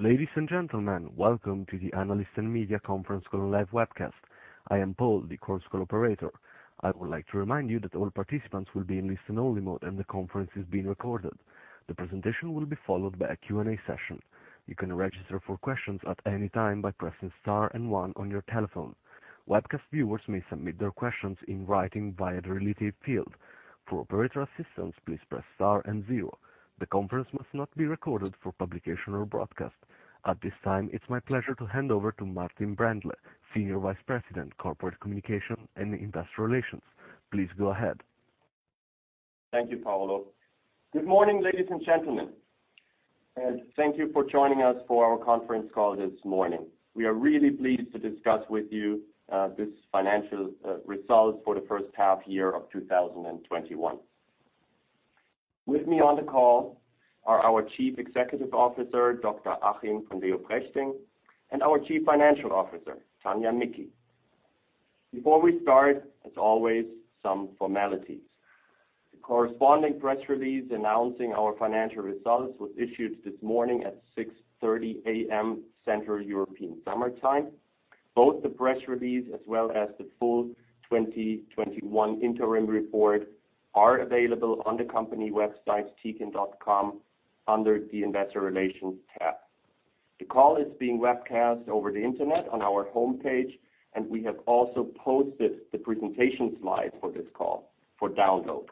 Ladies and gentlemen, welcome to the Analyst and Media Conference Call Live Webcast. I am Paul, the conference call operator. I would like to remind you that all participants will be in listen-only mode, and the conference is being recorded. The presentation will be followed by a Q&A session. You can register for questions at any time by pressing star and one on your telephone. Webcast viewers may submit their questions in writing via the related field. For operator assistance, please press star and zero. The conference must not be recorded for publication or broadcast. At this time, it's my pleasure to hand over to Martin Brändle, Senior Vice President, Corporate Communications & IR. Please go ahead. Thank you, Paul. Good morning, ladies and gentlemen, and thank you for joining us for our conference call this morning. We are really pleased to discuss with you this financial result for the first half year of 2021. With me on the call are our Chief Executive Officer, Dr. Achim von Leoprechting, and our Chief Financial Officer, Tania Micki. Before we start, as always, some formalities. The corresponding press release announcing our financial results was issued this morning at 6:30 A.M., Central European Summer Time. Both the press release as well as the full 2021 interim report are available on the company website, tecan.com, under the Investor Relations tab. The call is being webcast over the internet on our homepage, and we have also posted the presentation slides for this call for download.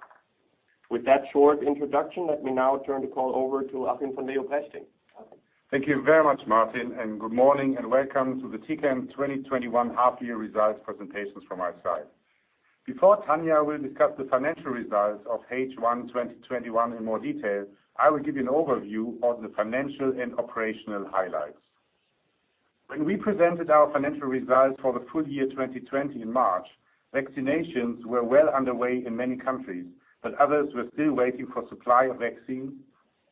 With that short introduction, let me now turn the call over to Achim von Leoprechting. Achim. Thank you very much, Martin. Good morning and welcome to the Tecan 2021 half year results presentations from our side. Before Tania will discuss the financial results of H1 2021 in more detail, I will give you an overview of the financial and operational highlights. When we presented our financial results for the full year 2020 in March, vaccinations were well underway in many countries, but others were still waiting for supply of vaccine,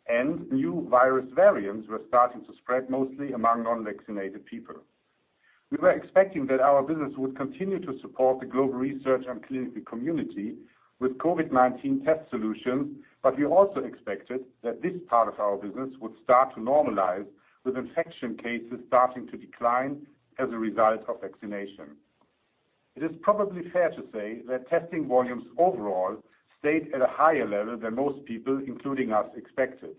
and new virus variants were starting to spread mostly among non-vaccinated people. We were expecting that our business would continue to support the global research and clinical community with COVID-19 test solutions, but we also expected that this part of our business would start to normalize with infection cases starting to decline as a result of vaccination. It is probably fair to say that testing volumes overall stayed at a higher level than most people, including us, expected.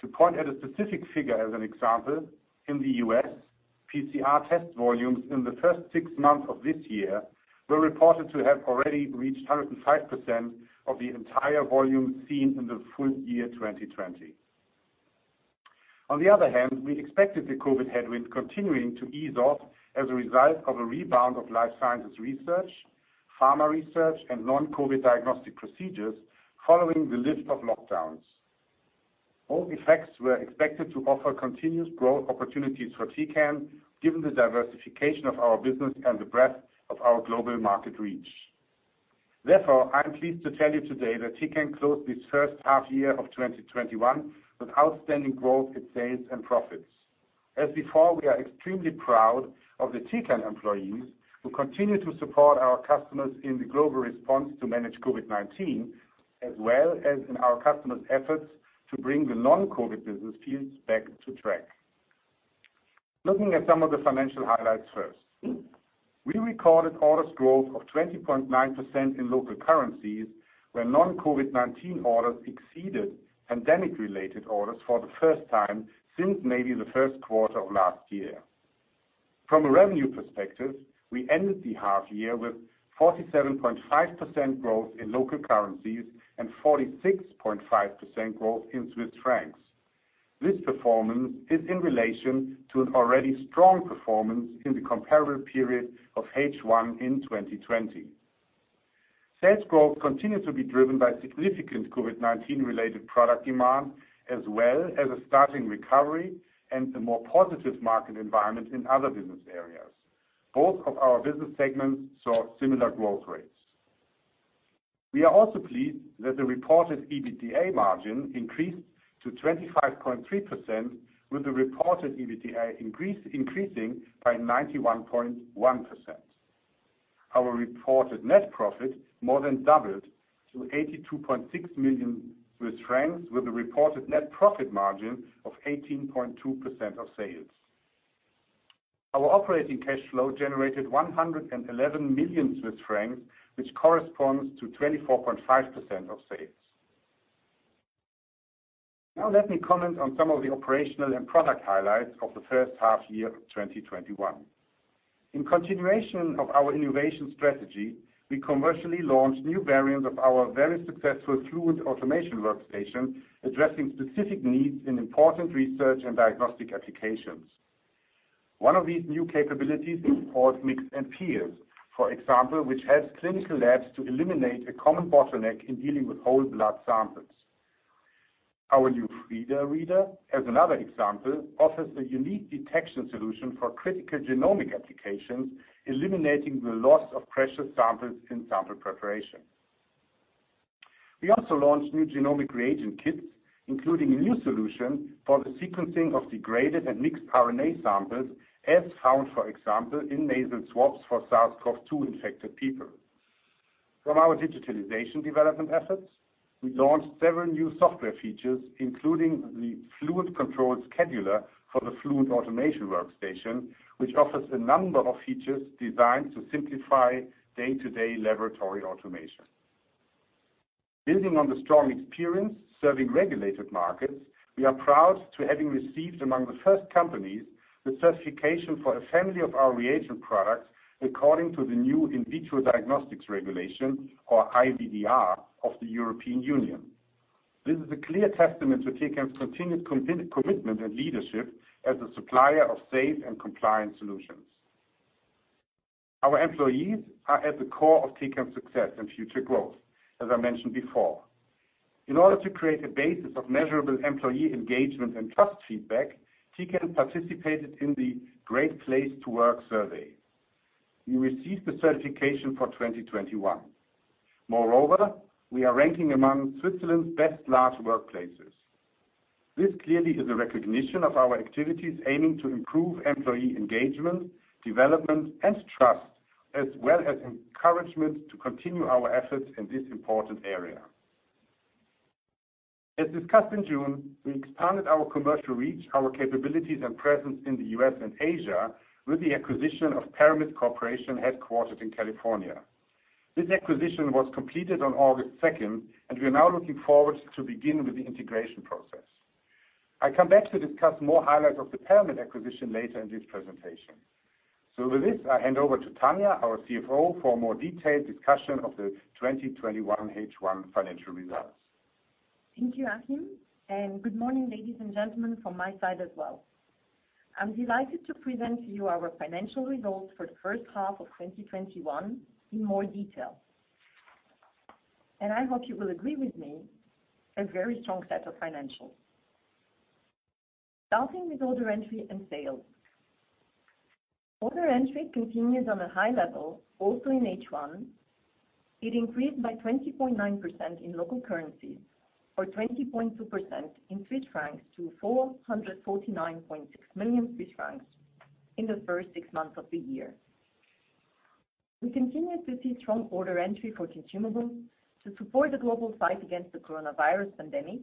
To point at a specific figure as an example, in the U.S., PCR test volumes in the first six months of this year were reported to have already reached 105% of the entire volume seen in the full year 2020. On the other hand, we expected the COVID headwind continuing to ease off as a result of a rebound of life sciences research, pharma research, and non-COVID diagnostic procedures following the lift of lockdowns. All the facts were expected to offer continuous growth opportunities for Tecan, given the diversification of our business and the breadth of our global market reach. Therefore, I'm pleased to tell you today that Tecan closed this first half year of 2021 with outstanding growth in sales and profits. As before, we are extremely proud of the Tecan employees who continue to support our customers in the global response to manage COVID-19, as well as in our customers' efforts to bring the non-COVID business fields back to track. Looking at some of the financial highlights first. We recorded orders growth of 20.9% in local currencies, where non-COVID-19 orders exceeded pandemic-related orders for the first time since maybe the first quarter of last year. From a revenue perspective, we ended the half year with 47.5% growth in local currencies and 46.5% growth in Swiss francs. This performance is in relation to an already strong performance in the comparable period of H1 in 2020. Sales growth continued to be driven by significant COVID-19 related product demand, as well as a starting recovery and a more positive market environment in other business areas. Both of our business segments saw similar growth rates. We are also pleased that the reported EBITDA margin increased to 25.3% with the reported EBITDA increasing by 91.1%. Our reported net profit more than doubled to 82.6 million, with a reported net profit margin of 18.2% of sales. Our operating cash flow generated 111 million Swiss francs, which corresponds to 24.5% of sales. Let me comment on some of the operational and product highlights of the first half year of 2021. In continuation of our innovation strategy, we commercially launched new variants of our very successful Fluent automation workstation, addressing specific needs in important research and diagnostic applications. One of these new capabilities is called Mix & Pierce, for example, which helps clinical labs to eliminate a common bottleneck in dealing with whole blood samples. Our new Frida Reader, as another example, offers a unique detection solution for critical genomic applications, eliminating the loss of precious samples in sample preparation. We also launched new genomic reagent kits, including a new solution for the sequencing of degraded and mixed RNA samples as found, for example, in nasal swabs for SARS-CoV-2 infected people. From our digitalization development efforts, we launched several new software features, including the FluentControl Scheduler for the Fluent automation workstation, which offers a number of features designed to simplify day-to-day laboratory automation. Building on the strong experience serving regulated markets, we are proud to having received, among the first companies, the certification for a family of our reagent products according to the new In Vitro Diagnostic Regulation, or IVDR, of the European Union. This is a clear testament to Tecan's continued commitment and leadership as a supplier of safe and compliant solutions. Our employees are at the core of Tecan's success and future growth, as I mentioned before. In order to create a basis of measurable employee engagement and trust feedback, Tecan participated in the Great Place to Work survey. We received the certification for 2021. We are ranking among Switzerland's best large workplaces. This clearly is a recognition of our activities aiming to improve employee engagement, development, and trust, as well as encouragement to continue our efforts in this important area. As discussed in June, we expanded our commercial reach, our capabilities, and presence in the U.S. and Asia with the acquisition of Paramit Corporation headquartered in California. This acquisition was completed on August 2nd. We are now looking forward to begin with the integration process. I come back to discuss more highlights of the Paramit acquisition later in this presentation. With this, I hand over to Tania, our CFO, for a more detailed discussion of the 2021 H1 financial results. Thank you, Achim, good morning, ladies and gentlemen, from my side as well. I'm delighted to present to you our financial results for H1 of 2021 in more detail. I hope you will agree with me, a very strong set of financials. Starting with order entry and sales. Order entry continues on a high level, also in H1. It increased by 20.9% in local currency or 20.2% in CHF to 449.6 million Swiss francs in the first six months of the year. We continue to see strong order entry for consumables to support the global fight against the coronavirus pandemic,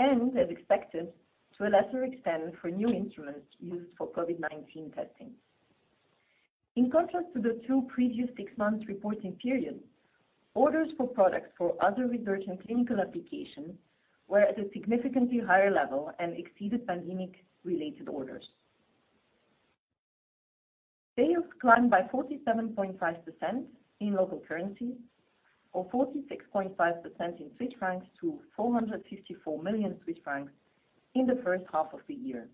and as expected, to a lesser extent for new instruments used for COVID-19 testing. In contrast to the two previous six-month reporting period, orders for products for other research and clinical applications were at a significantly higher level and exceeded pandemic-related orders. Sales climbed by 47.5% in local currency or 46.5% in CHF to 454 million Swiss francs in H1 of the year.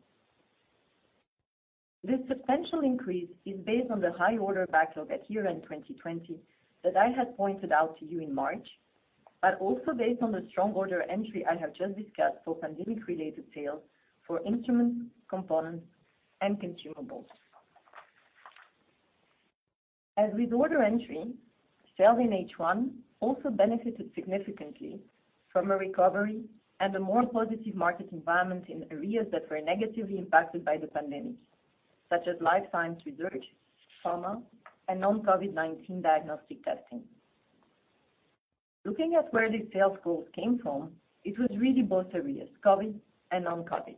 This substantial increase is based on the high order backlog at year-end 2020 that I had pointed out to you in March, but also based on the strong order entry I have just discussed for pandemic-related sales for instrument components and consumables. As with order entry, sales in H1 also benefited significantly from a recovery and a more positive market environment in areas that were negatively impacted by the pandemic, such as life science research, pharma, and non-COVID-19 diagnostic testing. Looking at where the sales growth came from, it was really both areas, COVID-19 and non-COVID-19.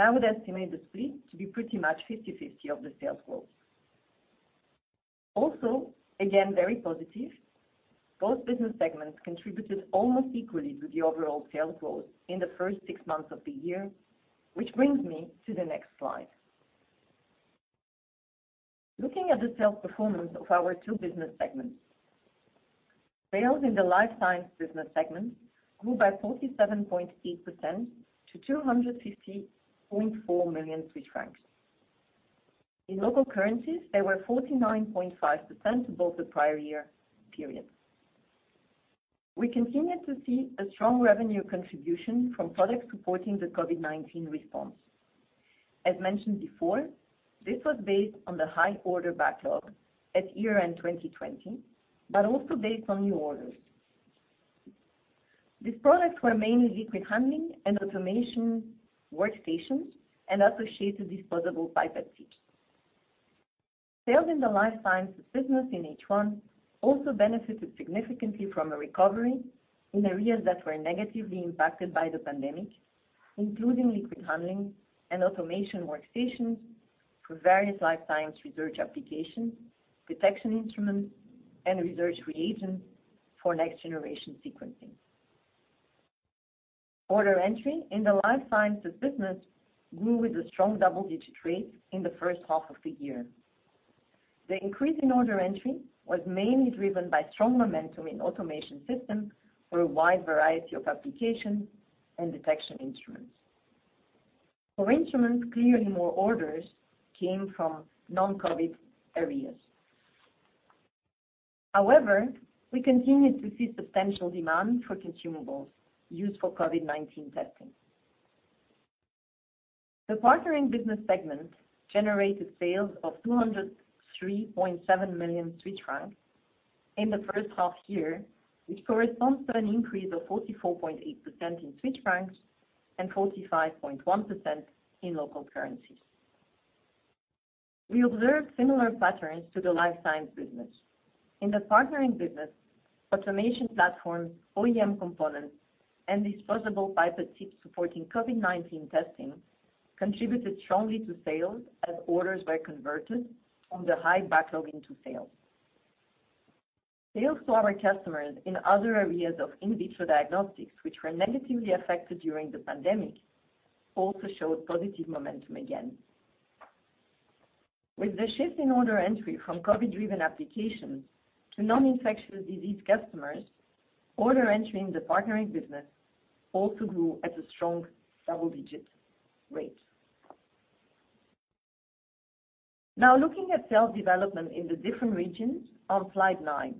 I would estimate the split to be pretty much 50/50 of the sales growth. Also, again, very positive, both business segments contributed almost equally to the overall sales growth in the first six months of the year, which brings me to the next slide. Looking at the sales performance of our two business segments. Sales in the Life Sciences Business segment grew by 47.8% to 250.4 million Swiss francs. In local currencies, they were 49.5% above the prior year period. We continue to see a strong revenue contribution from products supporting the COVID-19 response. As mentioned before, this was based on the high order backlog at year-end 2020, but also based on new orders. These products were mainly liquid handling and automation workstations and associated disposable pipette tips. Sales in the Life Sciences business in H1 also benefited significantly from a recovery in areas that were negatively impacted by the pandemic, including liquid handling and automation workstations for various life sciences research applications, detection instruments, and research reagents for next-generation sequencing. Order entry in the Life Sciences business grew with a strong double-digit rate in the first half of the year. The increase in order entry was mainly driven by strong momentum in automation systems for a wide variety of applications and detection instruments. For instruments, clearly more orders came from non-COVID areas. However, we continued to see substantial demand for consumables used for COVID-19 testing. The Partnering business segment generated sales of 203.7 million Swiss francs in the first half year, which corresponds to an increase of 44.8% in CHF and 45.1% in local currencies. We observed similar patterns to the Life Sciences business. In the Partnering Business, automation platforms, OEM components, and disposable pipette tips supporting COVID-19 testing contributed strongly to sales as orders were converted from the high backlog into sales. Sales to our customers in other areas of in vitro diagnostics, which were negatively affected during the pandemic, also showed positive momentum again. With the shift in order entry from COVID-driven applications to non-infectious disease customers, order entry in the Partnering Business also grew at a strong double-digit rate. Now looking at sales development in the different regions on slide 9.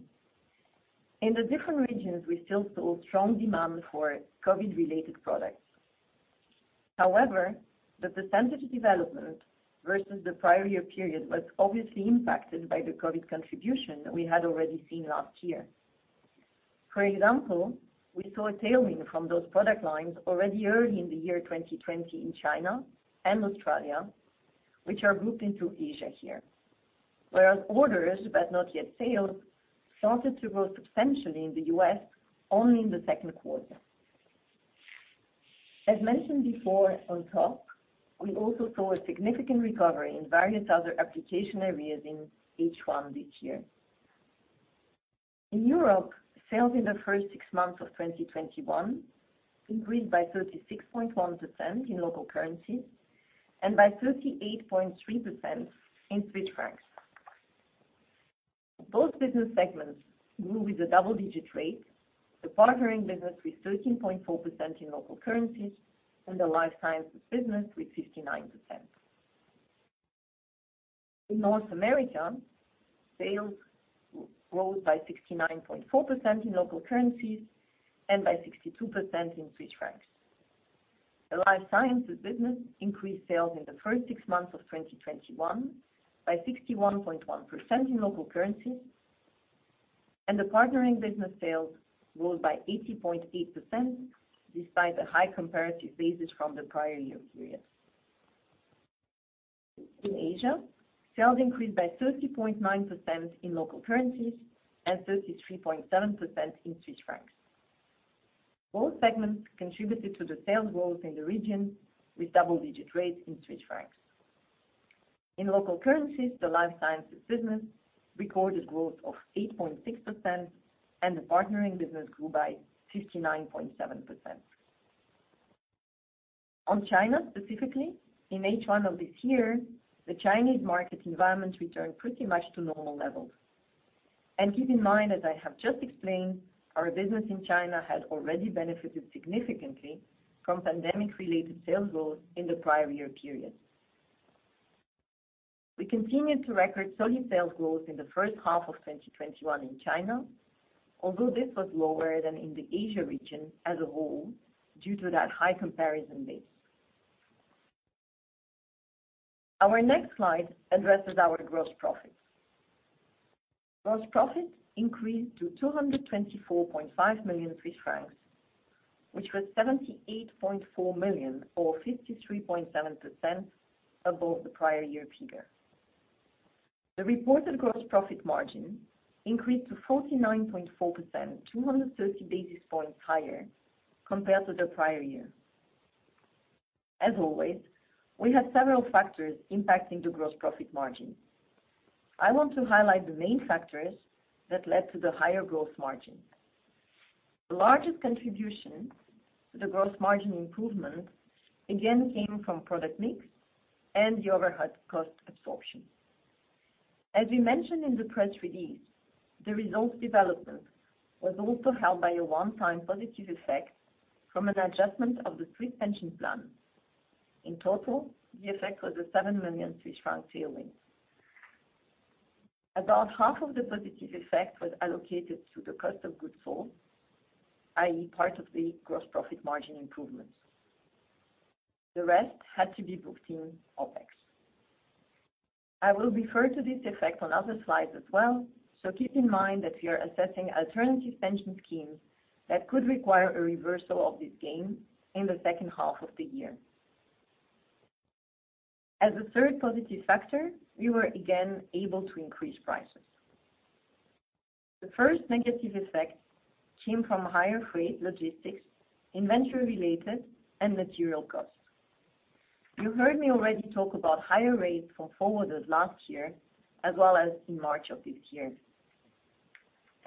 In the different regions, we still saw strong demand for COVID-related products. However, the percentage development versus the prior year period was obviously impacted by the COVID contribution we had already seen last year. For example, we saw a tailwind from those product lines already early in the year 2020 in China and Australia, which are grouped into Asia here. Orders, but not yet sales, started to grow substantially in the U.S. only in the second quarter. As mentioned before, on top, we also saw a significant recovery in various other application areas in H1 this year. In Europe, sales in the first six months of 2021 increased by 36.1% in local currency and by 38.3% in CHF. Both business segments grew with a double-digit rate, the Partnering Business with 13.4% in local currency and the Life Sciences Business with 59%. In North America, sales growth by 69.4% in local currencies and by 62% in CHF. The Life Sciences Business increased sales in the first six months of 2021 by 61.1% in local currency, and the Partnering Business sales rose by 80.8%, despite a high comparative basis from the prior year period. In Asia, sales increased by 30.9% in local currencies and 33.7% in CHF. Both segments contributed to the sales growth in the region with double-digit rates in CHF. In local currencies, the Life Sciences Business recorded growth of 8.6% and the Partnering Business grew by 59.7%. On China specifically, in H1 of this year, the Chinese market environment returned pretty much to normal levels. Keep in mind, as I have just explained, our business in China had already benefited significantly from pandemic-related sales growth in the prior year period. We continued to record solid sales growth in the first half of 2021 in China, although this was lower than in the Asia region as a whole due to that high comparison base. Our next slide addresses our gross profit. Gross profit increased to 224.5 million Swiss francs, which was 78.4 million or 53.7% above the prior year figure. The reported gross profit margin increased to 49.4%, 230 basis points higher compared to the prior year. As always, we have several factors impacting the gross profit margin. I want to highlight the main factors that led to the higher gross margin. The largest contribution to the gross margin improvement again came from product mix and the overhead cost absorption. As we mentioned in the press release, the results development was also helped by a one-time positive effect from an adjustment of the Swiss pension plan. In total, the effect was a 7 million Swiss franc tailwind. About half of the positive effect was allocated to the cost of goods sold, i.e., part of the gross profit margin improvements. The rest had to be booked in OpEx. I will refer to this effect on other slides as well, so keep in mind that we are assessing alternative pension schemes that could require a reversal of this gain in H2 of the year. As a third positive factor, we were again able to increase prices. The first negative effect came from higher freight logistics, inventory related, and material costs. You heard me already talk about higher rates for forwarders last year as well as in March of this year.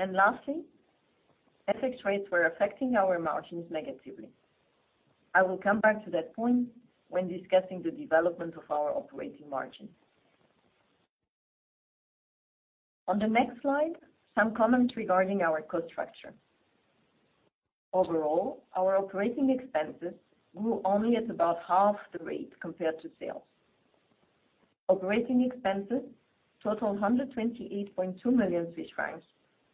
Lastly, FX rates were affecting our margins negatively. I will come back to that point when discussing the development of our operating margin. On the next slide, some comments regarding our cost structure. Overall, our operating expenses grew only at about half the rate compared to sales. Operating expenses totaled 128.2 million Swiss francs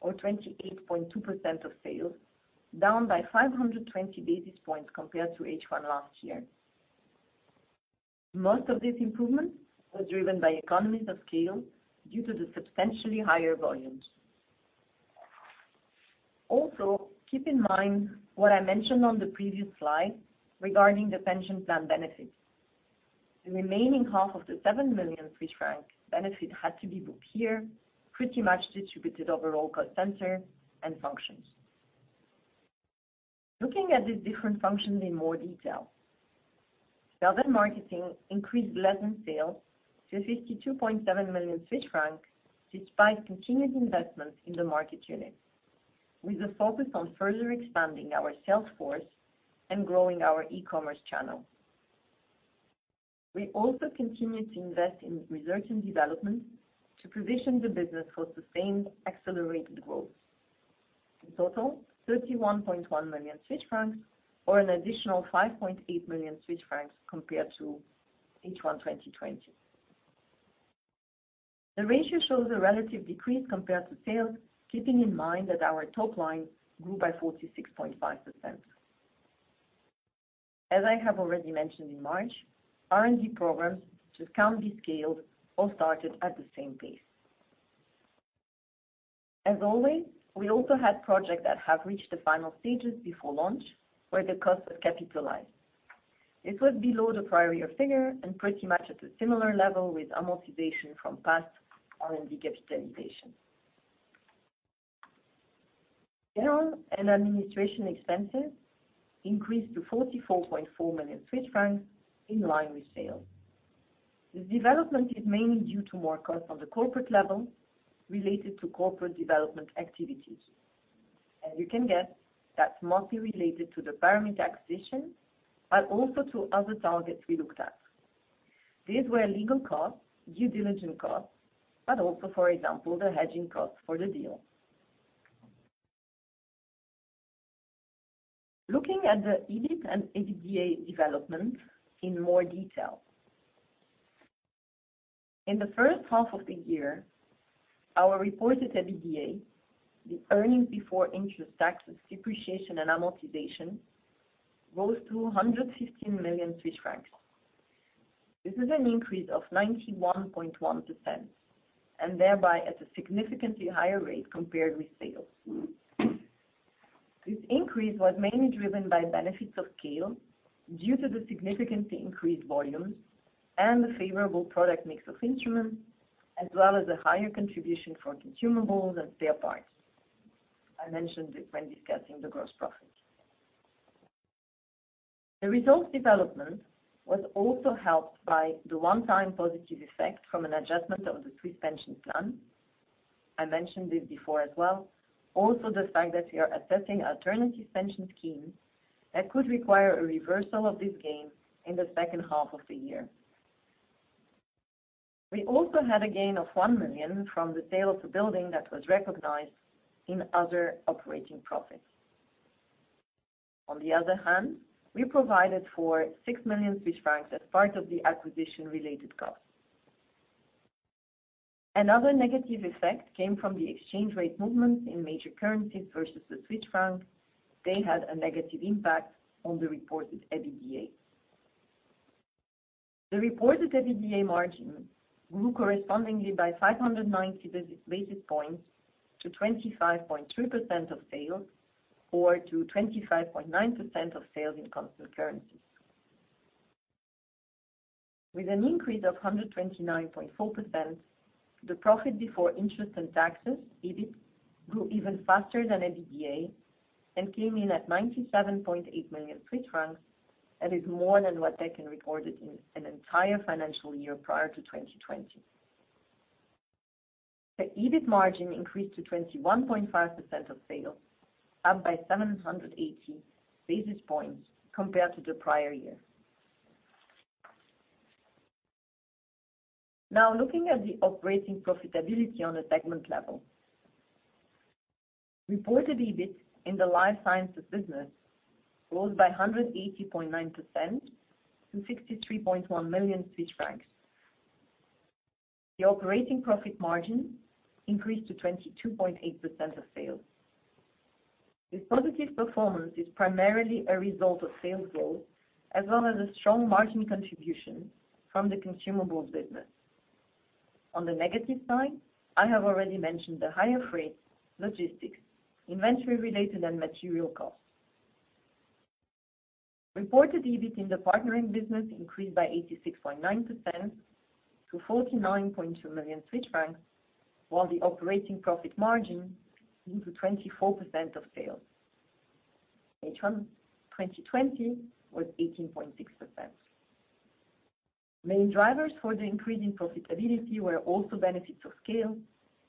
or 28.2% of sales, down by 520 basis points compared to H1 last year. Most of this improvement was driven by economies of scale due to the substantially higher volumes. Keep in mind what I mentioned on the previous slide regarding the pension plan benefit. The remaining half of the 7 million Swiss francs benefit had to be booked here, pretty much distributed over all cost center and functions. Looking at these different functions in more detail. Sales and marketing increased less in sales to 52.7 million Swiss francs despite continued investments in the market unit. With the focus on further expanding our sales force and growing our e-commerce channel. We also continue to invest in research and development to position the business for sustained, accelerated growth. In total, 31.1 million Swiss francs or an additional 5.8 million Swiss francs compared to H1 2020. The ratio shows a relative decrease compared to sales, keeping in mind that our top line grew by 46.5%. As I have already mentioned in March, R&D programs just can't be scaled or started at the same pace. As always, we also had projects that have reached the final stages before launch, where the costs are capitalized. This was below the prior year figure and pretty much at a similar level with amortization from past R&D capitalization. General and administration expenses increased to 44.4 million Swiss francs in line with sales. This development is mainly due to more costs on the corporate level related to corporate development activities. As you can guess, that's mostly related to the Paramit acquisition, but also to other targets we looked at. These were legal costs, due diligence costs, but also, for example, the hedging costs for the deal. Looking at the EBIT and EBITDA development in more detail. In H1 of the year, our reported EBITDA, the earnings before interest, taxes, depreciation, and amortization, rose to 115 million francs. This is an increase of 91.1%. Thereby at a significantly higher rate compared with sales. This increase was mainly driven by benefits of scale due to the significantly increased volumes and the favorable product mix of instruments, as well as a higher contribution for consumables and spare parts. I mentioned it when discussing the gross profit. The results development was also helped by the one-time positive effect from an adjustment of the Swiss pension plan. I mentioned this before as well. Also, the fact that we are assessing alternative pension schemes that could require a reversal of this gain in the second half of the year. We also had a gain of 1 million from the sale of the building that was recognized in other operating profits. On the other hand, we provided for 6 million francs as part of the acquisition related costs. Another negative effect came from the exchange rate movement in major currencies versus the Swiss franc. They had a negative impact on the reported EBITDA. The reported EBITDA margin grew correspondingly by 590 basis points to 25.3% of sales or to 25.9% of sales in constant currencies. With an increase of 129.4%, the profit before interest and taxes, EBIT, grew even faster than EBITDA and came in at 97.8 million, that is more than what Tecan recorded in an entire financial year prior to 2020. The EBIT margin increased to 21.5% of sales, up by 780 basis points compared to the prior year. Looking at the operating profitability on a segment level. Reported EBIT in the Life Sciences Business rose by 180.9% to 63.1 million Swiss francs. The operating profit margin increased to 22.8% of sales. This positive performance is primarily a result of sales growth, as well as a strong margin contribution from the consumables business. On the negative side, I have already mentioned the higher freight, logistics, inventory related, and material costs. Reported EBIT in the Partnering Business increased by 86.9% to 49.2 million francs, while the operating profit margin grew to 24% of sales. H1 2020 was 18.6%. Main drivers for the increase in profitability were also benefits of scale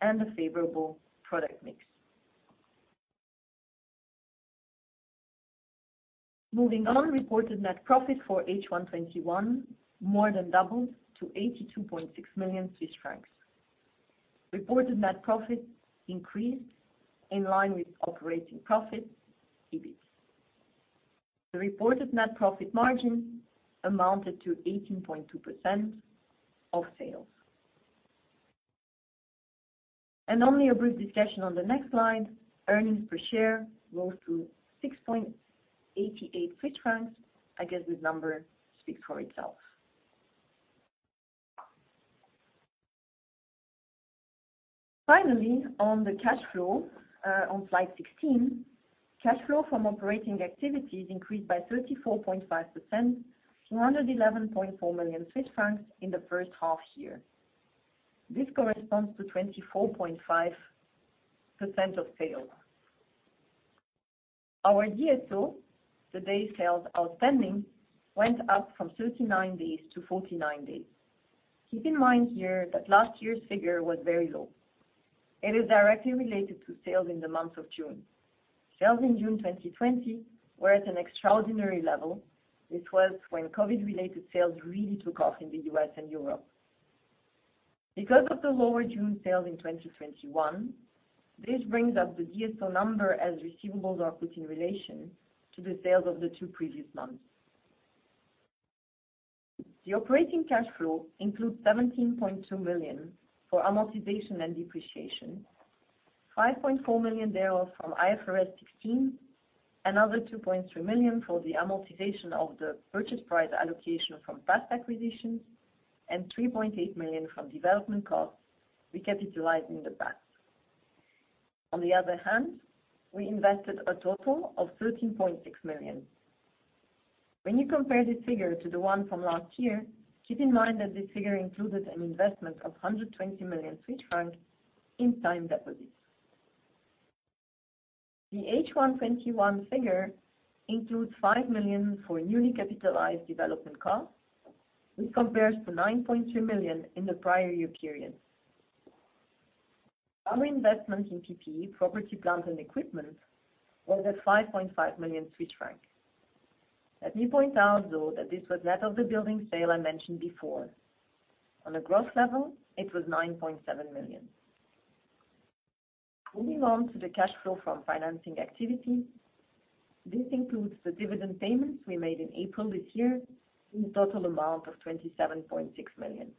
and a favorable product mix. Moving on, reported net profit for H1 2021 more than doubled to 82.6 million Swiss francs. Reported net profit increased in line with operating profit, EBIT. The reported net profit margin amounted to 18.2% of sales. Only a brief discussion on the next slide. Earnings per share rose to 6.88 francs. I guess this number speaks for itself. Finally, on the cash flow, on slide 16, cash flow from operating activities increased by 34.5%, to 111.4 million Swiss francs in the first half year. This corresponds to 24.5% of sales. Our DSO, the days sales outstanding, went up from 39 days to 49 days. Keep in mind here that last year's figure was very low. It is directly related to sales in the month of June. Sales in June 2020 were at an extraordinary level. This was when COVID-related sales really took off in the U.S. and Europe. Because of the lower June sales in 2021, this brings up the DSO number as receivables are put in relation to the sales of the two previous months. The operating cash flow includes 17.2 million for amortization and depreciation, 5.4 million thereof from IFRS 16, another 2.3 million for the amortization of the purchase price allocation from past acquisitions, and 3.8 million from development costs we capitalized in the past. On the other hand, we invested a total of 13.6 million. When you compare this figure to the one from last year, keep in mind that this figure included an investment of 120 million francs in time deposits. The H1 2021 figure includes 5 million for newly capitalized development costs, which compares to 9.2 million in the prior year period. Our investment in PPE, property, plant, and equipment, was at 5.5 million Swiss francs. Let me point out, though, that this was net of the building sale I mentioned before. On a gross level, it was 9.7 million. Moving on to the cash flow from financing activity. This includes the dividend payments we made in April this year in the total amount of 27.6 million.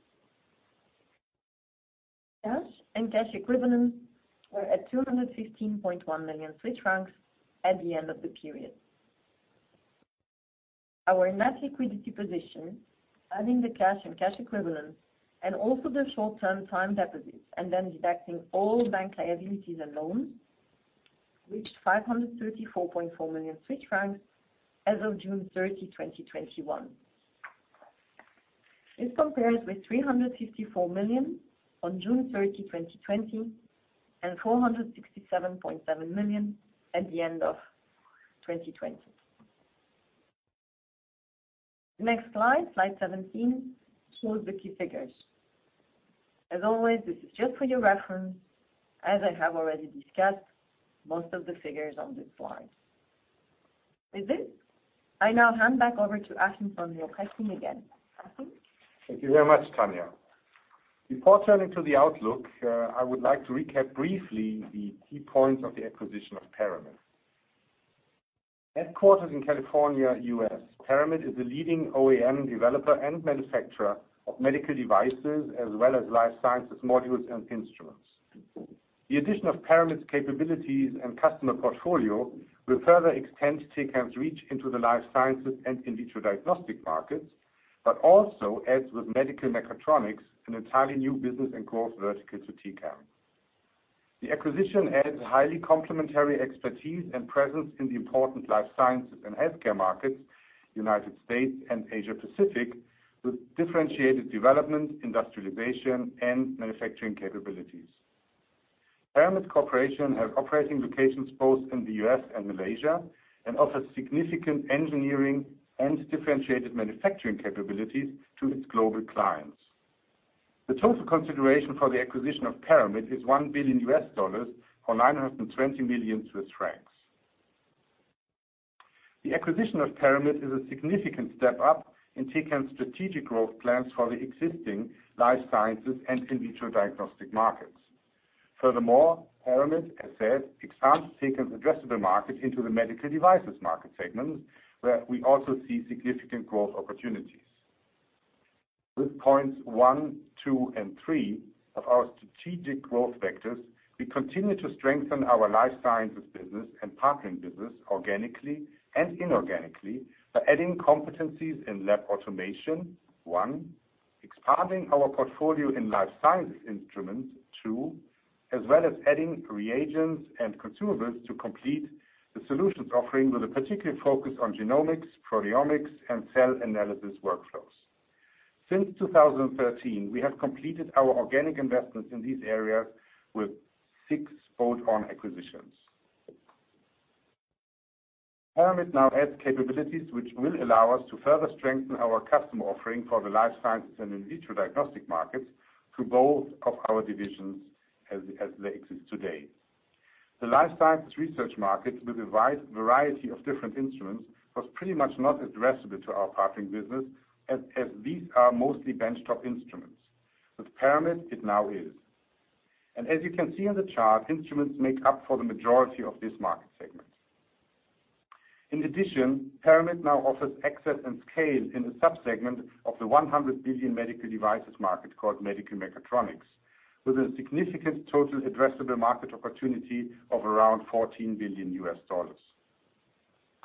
Cash and cash equivalents were at 215.1 million Swiss francs at the end of the period. Our net liquidity position, adding the cash and cash equivalents, and also the short-term time deposits, and then deducting all bank liabilities and loans, reached 534.4 million Swiss francs as of June 30, 2021. This compares with 354 million on June 30, 2020, and 467.7 million at the end of 2020. The next slide 17, shows the key figures. As always, this is just for your reference, as I have already discussed most of the figures on this slide. With this, I now hand back over to Achim von Leoprechting. Achim? Thank you very much, Tania. Before turning to the outlook, I would like to recap briefly the key points of the acquisition of Paramit. Headquartered in California, U.S., Paramit is the leading OEM developer and manufacturer of medical devices as well as life sciences modules and instruments. The addition of Paramit's capabilities and customer portfolio will further extend Tecan's reach into the life sciences and in vitro diagnostic markets, but also adds with medical mechatronics, an entirely new business and growth vertical to Tecan. The acquisition adds a highly complementary expertise and presence in the important life sciences and healthcare markets, U.S. and Asia Pacific, with differentiated development, industrialization, and manufacturing capabilities. Paramit Corporation have operating locations both in the U.S. and Malaysia, and offers significant engineering and differentiated manufacturing capabilities to its global clients. The total consideration for the acquisition of Paramit is $1 billion, or 920 million Swiss francs. The acquisition of Paramit is a significant step up in Tecan's strategic growth plans for the existing life sciences and in vitro diagnostic markets. Furthermore, Paramit, as said, expands Tecan's addressable market into the medical devices market segments, where we also see significant growth opportunities. With points one, two, and three of our strategic growth vectors, we continue to strengthen our Life Sciences Business and Partnering Business organically and inorganically by adding competencies in lab automation, one; expanding our portfolio in life sciences instruments, two; as well as adding reagents and consumables to complete the solutions offering with a particular focus on genomics, proteomics, and cell analysis workflows. Since 2013, we have completed our organic investments in these areas with six bolt-on acquisitions. Paramit now adds capabilities which will allow us to further strengthen our customer offering for the life sciences and in vitro diagnostic markets to both of our divisions as they exist today. The life sciences research market, with a wide variety of different instruments, was pretty much not addressable to our Partnering Business as these are mostly bench-top instruments. With Paramit, it now is. As you can see in the chart, instruments make up for the majority of this market segment. In addition, Paramit now offers access and scale in a sub-segment of the $100 billion medical devices market called medical mechatronics, with a significant total addressable market opportunity of around $14 billion.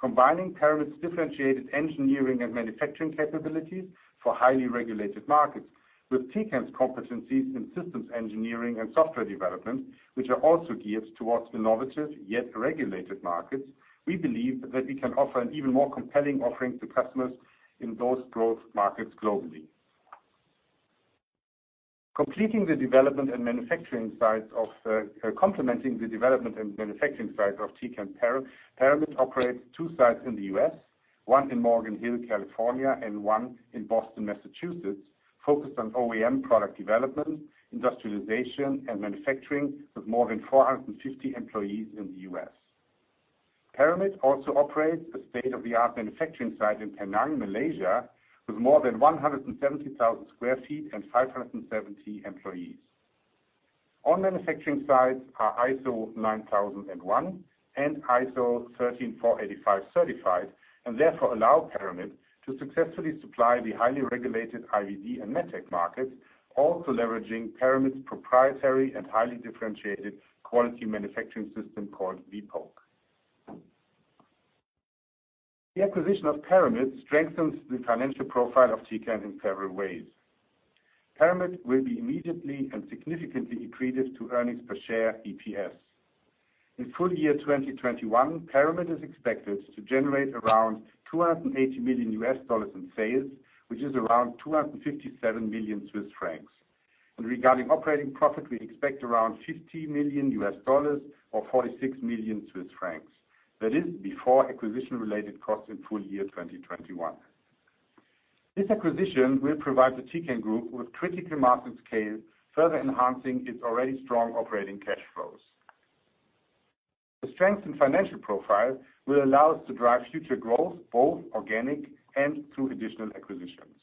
Combining Paramit's differentiated engineering and manufacturing capabilities for highly regulated markets with Tecan's competencies in systems engineering and software development, which are also geared towards innovative, yet regulated markets. We believe that we can offer an even more compelling offering to customers in those growth markets globally. Complementing the development and manufacturing side of Tecan, Paramit operates two sites in the U.S., one in Morgan Hill, California, and one in Boston, Massachusetts, focused on OEM product development, industrialization, and manufacturing with more than 450 employees in the U.S. Paramit also operates a state-of-the-art manufacturing site in Penang, Malaysia, with more than 170,000 sq ft and 570 employees. All manufacturing sites are ISO 9001 and ISO 13485 certified, and therefore allow Paramit to successfully supply the highly regulated IVD and MedTech markets, also leveraging Paramit's proprietary and highly differentiated quality manufacturing system called vPoke. The acquisition of Paramit strengthens the financial profile of Tecan in several ways. Paramit will be immediately and significantly accretive to earnings per share, EPS. In full year 2021, Paramit is expected to generate around $280 million in sales, which is around 257 million Swiss francs. Regarding operating profit, we expect around $50 million or 46 million Swiss francs. That is before acquisition-related costs in full year 2021. This acquisition will provide the Tecan Group with critical mass and scale, further enhancing its already strong operating cash flows. The strength in financial profile will allow us to drive future growth, both organic and through additional acquisitions.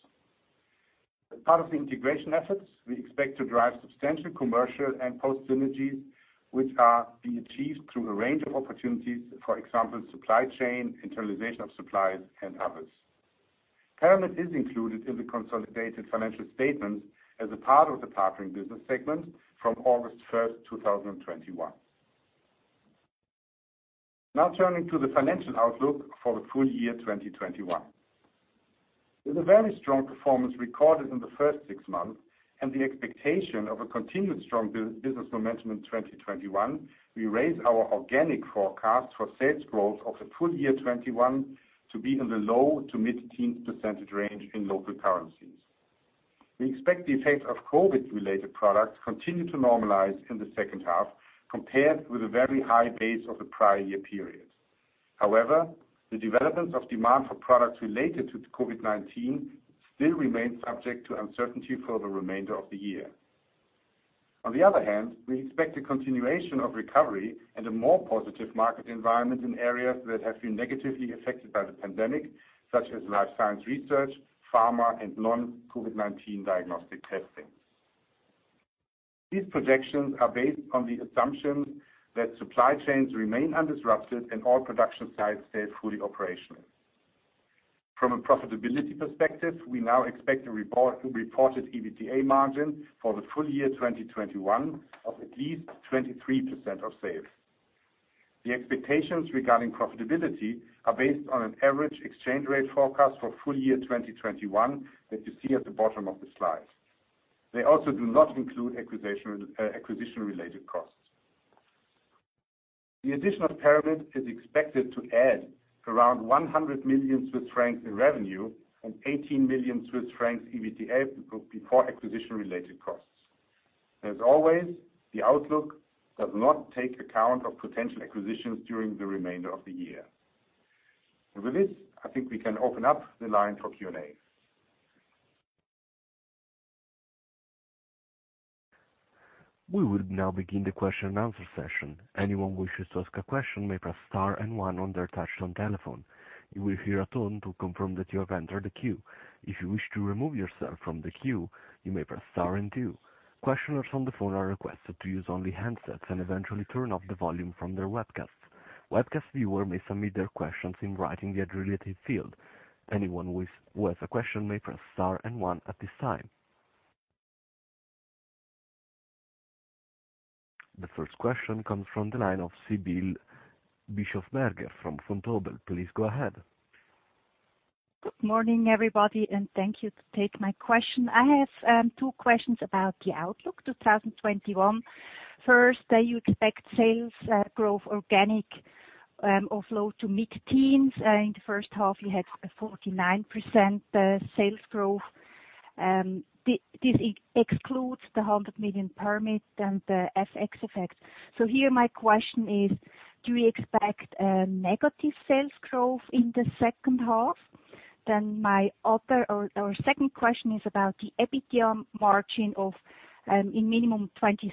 As part of the integration efforts, we expect to drive substantial commercial and ost synergies, which are being achieved through a range of opportunities. For example, supply chain, internalization of suppliers, and others. Paramit is included in the consolidated financial statements as a part of the Partnering Business segment from August 1st, 2021. Now turning to the financial outlook for the full year 2021. With a very strong performance recorded in the first six months and the expectation of a continued strong business momentum in 2021, we raise our organic forecast for sales growth of the full year 2021 to be in the low to mid-teens % range in local currencies. We expect the effect of COVID-related products continue to normalize in the second half compared with a very high base of the prior year period. The developments of demand for products related to COVID-19 still remain subject to uncertainty for the remainder of the year. We expect a continuation of recovery and a more positive market environment in areas that have been negatively affected by the pandemic, such as life science research, pharma, and non-COVID-19 diagnostic testing. These projections are based on the assumptions that supply chains remain undisrupted and all production sites stay fully operational. From a profitability perspective, we now expect a reported EBITDA margin for the full year 2021 of at least 23% of sales. The expectations regarding profitability are based on an average exchange rate forecast for full year 2021 that you see at the bottom of the slide. They also do not include acquisition-related costs. The addition of Paramit is expected to add around 100 million Swiss francs in revenue and 18 million Swiss francs EBITDA before acquisition-related costs. With this, I think we can open up the line for Q&A. We will now begin the question and answer session. Anyone who wishes to ask a question may press star one on their touch-tone telephone. You will hear a tone to confirm that you have entered the queue. If you wish to remove yourself from the queue, you may press star two. Questioners on the phone are requested to use only handsets and eventually turn off the volume from their webcasts. Webcast viewers may submit their questions in writing the dedicated field. Anyone who has a question may press star one at this time. The first question comes from the line of Sibylle Bischofberger from Vontobel. Please go ahead. Good morning, everybody. Thank you to take my question. I have two questions about the outlook 2021. First, you expect sales growth organic of low to mid-teens. In H1, you had a 49% sales growth. This excludes the 100 million Paramit and the FX effect. Here my question is, do you expect a negative sales growth in H2? Our 2nd question is about the EBITDA margin of a minimum 23%.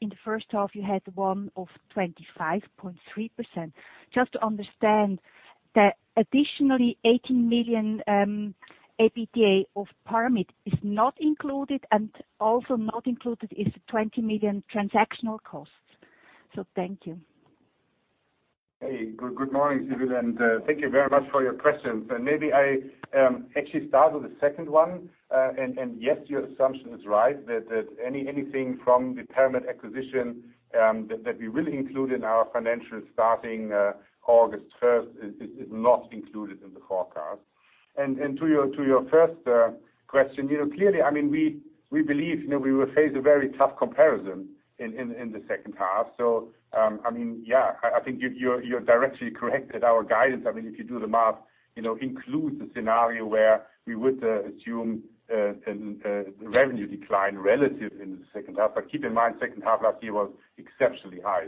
In H1, you had one of 25.3%. Just to understand the additional 18 million EBITDA of Paramit is not included. Also not included is the 20 million transactional costs. Thank you. Hey, good morning, Sibylle, and thank you very much for your questions. Maybe I actually start with the second one. Yes, your assumption is right that anything from the Paramit acquisition that we will include in our financials starting August 1st is not included in the forecast. To your first question, clearly, we believe we will face a very tough comparison in the second half. Yeah, I think you're directly correct that our guidance, if you do the math, includes the scenario where we would assume the revenue decline relative in the second half. Keep in mind, second half last year was exceptionally high.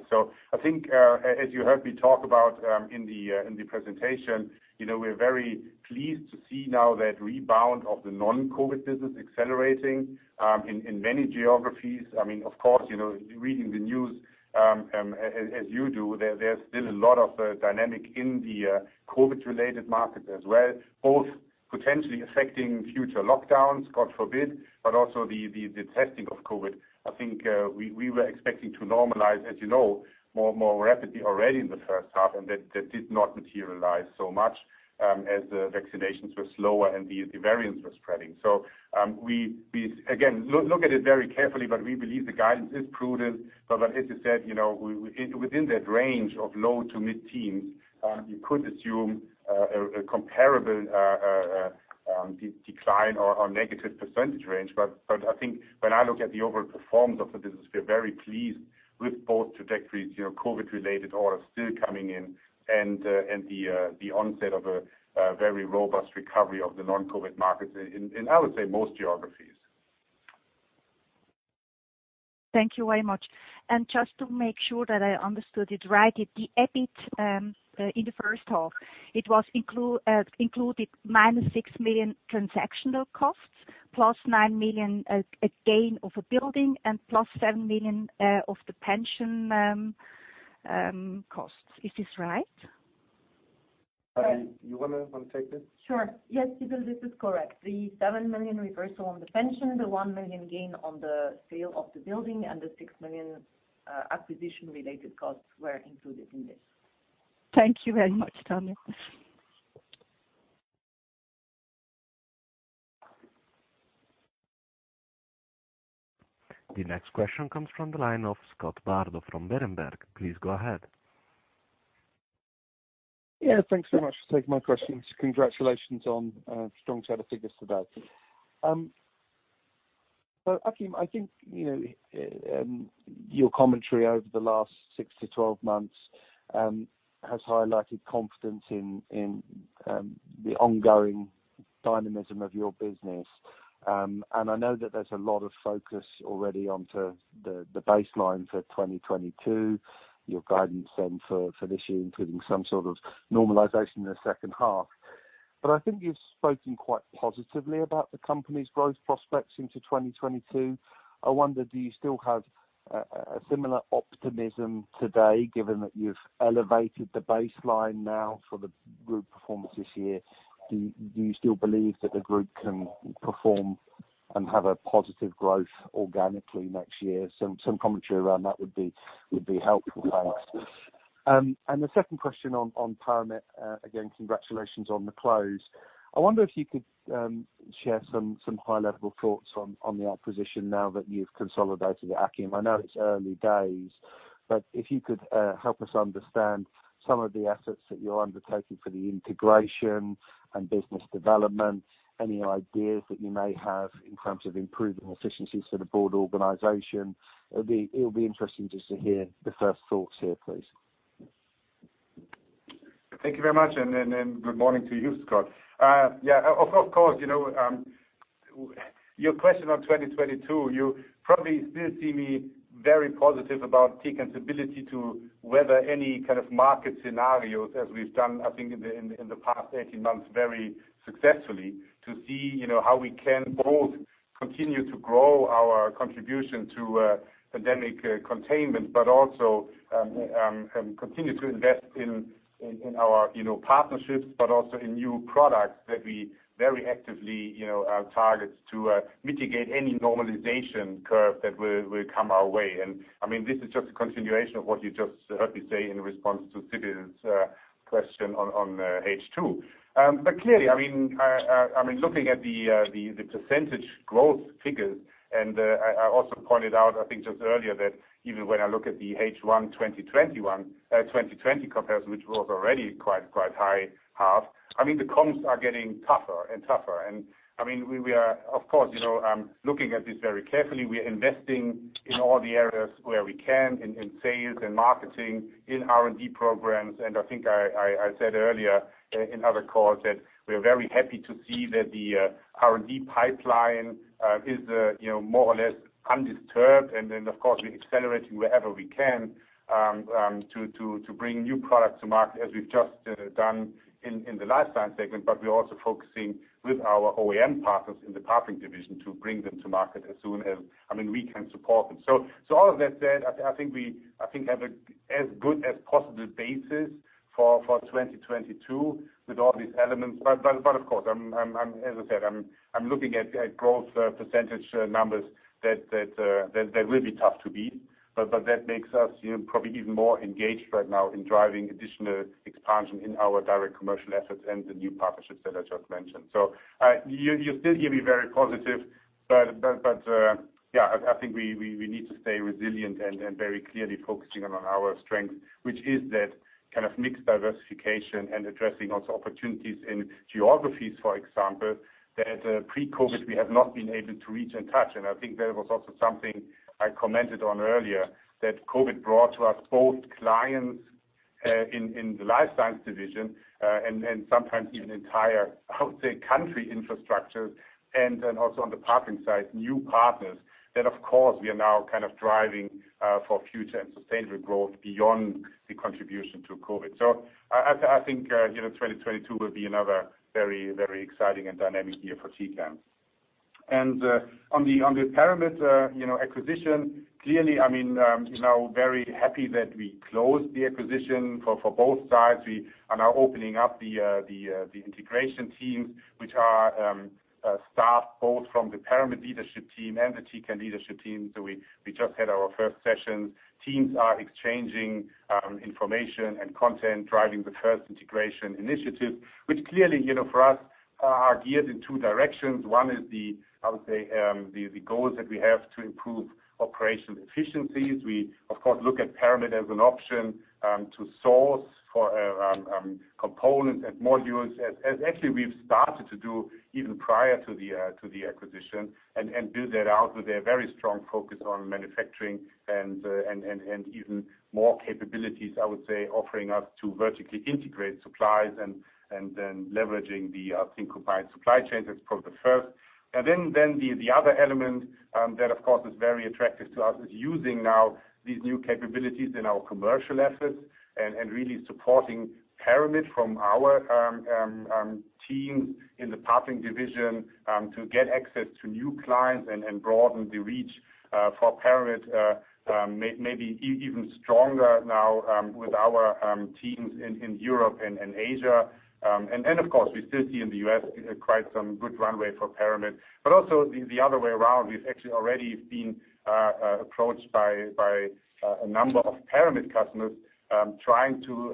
I think, as you heard me talk about in the presentation, we're very pleased to see now that rebound of the non-COVID business accelerating in many geographies. Of course, reading the news, as you do, there's still a lot of dynamic in the COVID-related markets as well, both potentially affecting future lockdowns, God forbid, but also the testing of COVID. I think we were expecting to normalize, as you know, more rapidly already in the first half, and that did not materialize so much as the vaccinations were slower and the variants were spreading. We, again, look at it very carefully, but we believe the guidance is prudent. As I said, within that range of low to mid-teens, you could assume a comparable decline or negative percentage range. I think when I look at the overall performance of the business, we are very pleased with both trajectories, COVID-related orders still coming in and the onset of a very robust recovery of the non-COVID markets in, I would say most geographies. Thank you very much. Just to make sure that I understood it right, the EBIT in the first half, it included minus 6 million transactional costs, plus 9 million gain of a building and plus 7 million of the pension costs. Is this right? Tania, you want to take this? Sure. Yes, Sibylle, this is correct. The 7 million reversal on the pension, the 1 million gain on the sale of the building, and the 6 million acquisition-related costs were included in this. Thank you very much, Tania. The next question comes from the line of Scott Bardo from Berenberg. Please go ahead. Yeah. Thanks very much for taking my questions. Congratulations on a strong set of figures today. Achim, I think your commentary over the last six-12 months has highlighted confidence in the ongoing dynamism of your business. I know that there's a lot of focus already onto the baseline for 2022, your guidance then for this year, including some sort of normalization in H2. I think you've spoken quite positively about the company's growth prospects into 2022. I wonder, do you still have a similar optimism today, given that you've elevated the baseline now for the group performance this year? Do you still believe that the group can perform and have a positive growth organically next year? Some commentary around that would be helpful. Thanks. The second question on Paramit, again, congratulations on the close. I wonder if you could share some high-level thoughts on the acquisition now that you've consolidated it, Achim. I know it's early days, but if you could help us understand some of the efforts that you're undertaking for the integration and business development, any ideas that you may have in terms of improving efficiencies for the board organization. It'll be interesting just to hear the first thoughts here, please. Thank you very much, good morning to you, Scott. Yeah, of course. Your question on 2022, you probably still see me very positive about Tecan's ability to weather any kind of market scenarios as we've done, I think, in the past 18 months very successfully to see how we can both continue to grow our contribution to pandemic containment, but also continue to invest in our partnerships, but also in new products that we very actively target to mitigate any normalization curve that will come our way. This is just a continuation of what you just heard me say in response to Sibylle's question on H2. Clearly, looking at the % growth figures, and I also pointed out, I think just earlier, that even when I look at the H1 2020 comparison, which was already quite high half, the comps are getting tougher and tougher. We are, of course, looking at this very carefully. We are investing in all the areas where we can, in sales and marketing, in R&D programs. I think I said earlier in other calls that we are very happy to see that the R&D pipeline is more or less undisturbed. Of course, we're accelerating wherever we can to bring new products to market as we've just done in the Life Sciences Business segment. We're also focusing with our OEM partners in the Partnering Business division to bring them to market as soon as we can support them. All of that said, I think we have as good as possible basis for 2022 with all these elements. Of course, as I said, I'm looking at growth percentage numbers that will be tough to beat. That makes us probably even more engaged right now in driving additional expansion in our direct commercial efforts and the new partnerships that I just mentioned. You still hear me very positive, but I think we need to stay resilient and very clearly focusing on our strength, which is that kind of mixed diversification and addressing also opportunities in geographies, for example, that pre-COVID we have not been able to reach and touch. I think that was also something I commented on earlier, that COVID brought to us both clients in the Life Sciences Business and sometimes even entire, I would say, country infrastructures and then also on the Partnering Business side, new partners that of course we are now driving for future and sustainable growth beyond the contribution to COVID. I think 2022 will be another very exciting and dynamic year for Tecan. On the Paramit acquisition, clearly, very happy that we closed the acquisition for both sides. We are now opening up the integration teams, which are staffed both from the Paramit leadership team and the Tecan leadership team. We just had our first sessions. Teams are exchanging information and content, driving the first integration initiative, which clearly for us are geared in two directions. One is the goals that we have to improve operational efficiencies. We of course look at Paramit as an option to source for components and modules as actually we've started to do even prior to the acquisition and build that out with a very strong focus on manufacturing and even more capabilities, I would say, offering us to vertically integrate supplies and then leveraging the synchronized supply chains as probably the first. The other element that of course is very attractive to us is using now these new capabilities in our commercial efforts and really supporting Paramit from our teams in the Partnering Business, to get access to new clients and broaden the reach for Paramit maybe even stronger now with our teams in Europe and Asia. Of course we still see in the U.S. quite some good runway for Paramit. Also the other way around, we've actually already been approached by a number of Paramit customers trying to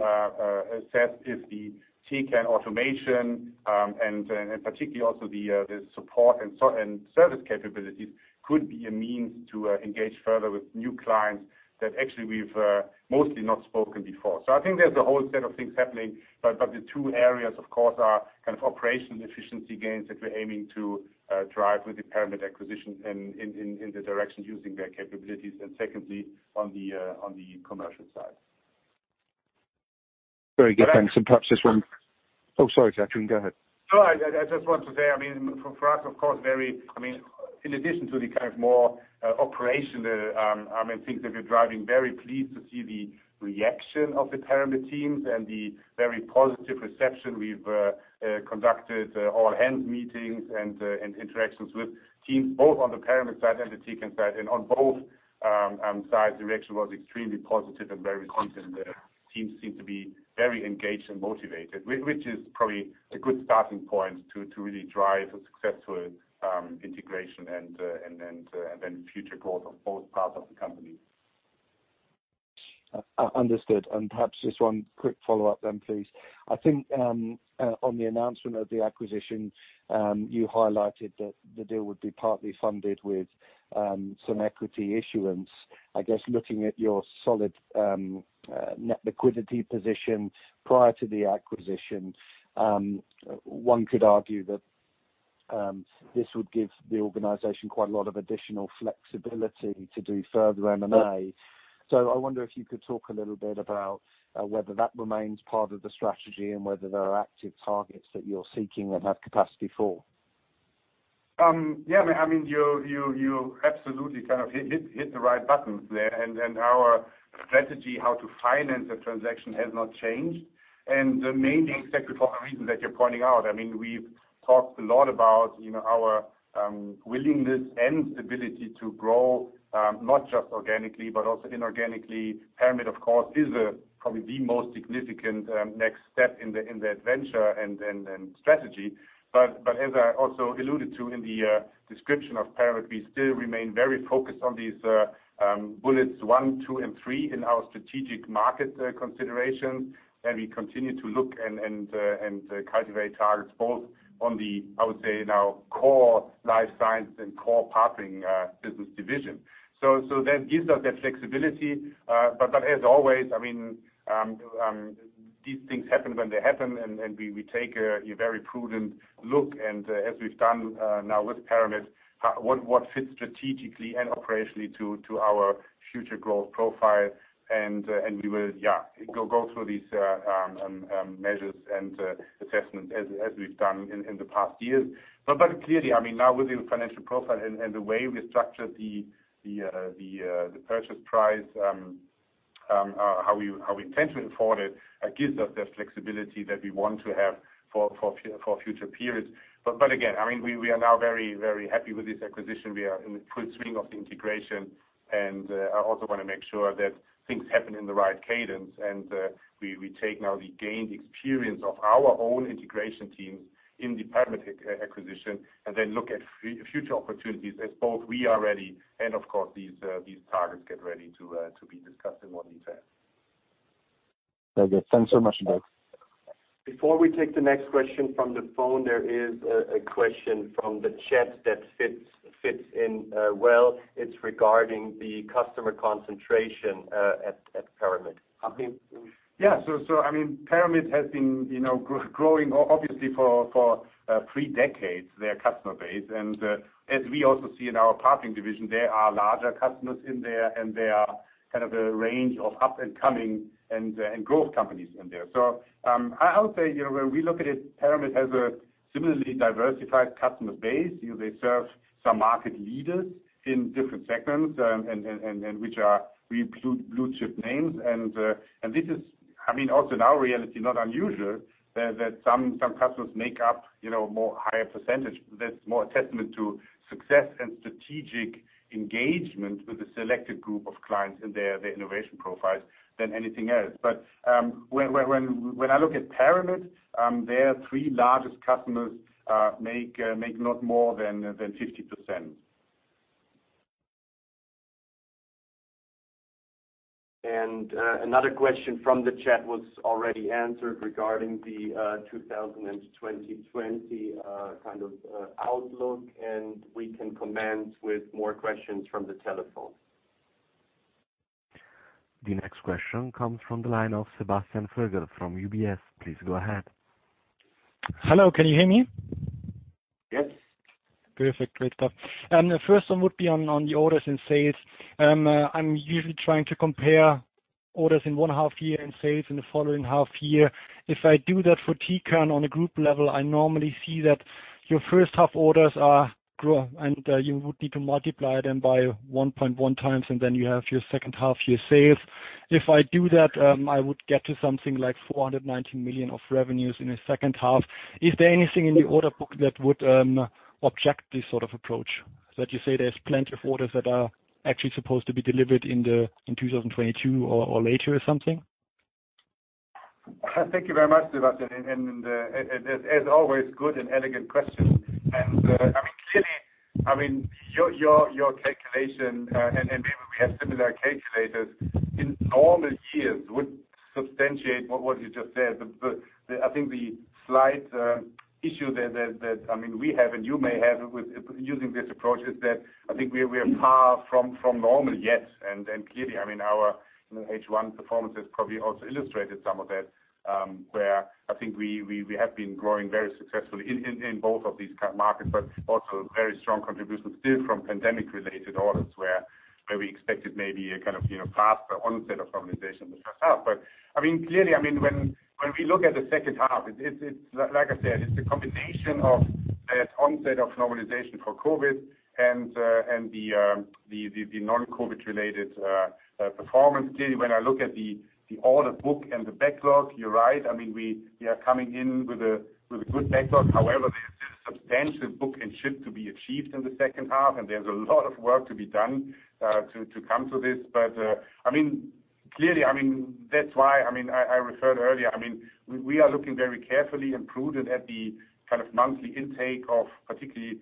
assess if the Tecan automation, and particularly also the support and service capabilities could be a means to engage further with new clients that actually we've mostly not spoken before. I think there's a whole set of things happening, but the two areas of course are kind of operational efficiency gains that we're aiming to drive with the Paramit acquisition in the direction using their capabilities and secondly on the commercial side. Very good, thanks. Oh, sorry, Achim Go ahead. No, I just want to say, for us in addition to the more operational things that we're driving, very pleased to see the reaction of the Paramit teams and the very positive reception. We've conducted all hands meetings and interactions with teams both on the Paramit side and the Tecan side. On both sides the reaction was extremely positive and very recent. Teams seem to be very engaged and motivated, which is probably a good starting point to really drive a successful integration and then future growth on both parts of the company. Understood. Perhaps just one quick follow-up then please. I think on the announcement of the acquisition, you highlighted that the deal would be partly funded with some equity issuance. I guess looking at your solid net liquidity position prior to the acquisition, one could argue that this would give the organization quite a lot of additional flexibility to do further M&A. I wonder if you could talk a little bit about whether that remains part of the strategy and whether there are active targets that you're seeking and have capacity for. Yeah. You absolutely hit the right buttons there. Our strategy how to finance the transaction has not changed. Mainly exactly for the reason that you're pointing out. We've talked a lot about our willingness and stability to grow, not just organically but also inorganically. Paramit of course is probably the most significant next step in the adventure and strategy. As I also alluded to in the description of Paramit, we still remain very focused on these bullets one, two, and three in our strategic market considerations. We continue to look and cultivate targets both on the, I would say now core Life Sciences and core Partnering Business division. That gives us that flexibility. As always, these things happen when they happen and we take a very prudent look and as we've done now with Paramit, what fits strategically and operationally to our future growth profile and we will go through these measures and assessments as we've done in the past years. Clearly, now with the financial profile and the way we structured the purchase price, how we intend to afford it gives us the flexibility that we want to have for future periods. Again, we are now very happy with this acquisition. We are in the full swing of the integration and I also want to make sure that things happen in the right cadence and we take now the gained experience of our own integration teams in the Paramit acquisition and then look at future opportunities as both we are ready and of course these targets get ready to be discussed in more detail. Very good. Thanks so much, Scott Bardo. Before we take the next question from the phone, there is a question from the chat that fits in well. It's regarding the customer concentration at Paramit. Achim? Paramit has been growing, obviously, for three decades, their customer base. As we also see in our Partnering Business, there are larger customers in there, and there are kind of a range of up-and-coming and growth companies in there. I would say, when we look at it, Paramit has a similarly diversified customer base. They serve some market leaders in different segments, and which are really blue-chip names. This is, also in our reality, not unusual that some customers make up more higher percentage. That's more a testament to success and strategic engagement with a selected group of clients in their innovation profiles than anything else. When I look at Paramit, their three largest customers make not more than 50%. Another question from the chat was already answered regarding the 2020 outlook, and we can commence with more questions from the telephone. The next question comes from the line of Sebastian Vogel from UBS. Please go ahead. Hello, can you hear me? Yes. Perfect. Great stuff. The first one would be on the orders and sales. I am usually trying to compare orders in one half year and sales in the following half year. If I do that for Tecan on a group level, I normally see that your first half orders are growing, and you would need to multiply them by 1.1 times, and then you have your H2 year sales. If I do that, I would get to something like 490 million of revenues in the second half. Is there anything in the order book that would object this sort of approach? That you say there is plenty of orders that are actually supposed to be delivered in 2022 or later or something? Thank you very much, Sebastian. As always, good and elegant questions. Your calculation, and maybe we have similar calculators, in normal years would substantiate what you just said. The slight issue that we have and you may have with using this approach is that I think we are far from normal yet. Our H1 performance has probably also illustrated some of that, where I think we have been growing very successfully in both of these markets, but also very strong contributions still from pandemic-related orders, where we expected maybe a kind of faster onset of normalization in the first half. When we look at the second half, like I said, it's a combination of that onset of normalization for COVID and the non-COVID related performance. When I look at the order book and the backlog, you're right. We are coming in with a good backlog. There's substantial book and ship to be achieved in H2, and there's a lot of work to be done to come to this. Clearly, that's why I referred earlier. We are looking very carefully and prudent at the kind of monthly intake of particularly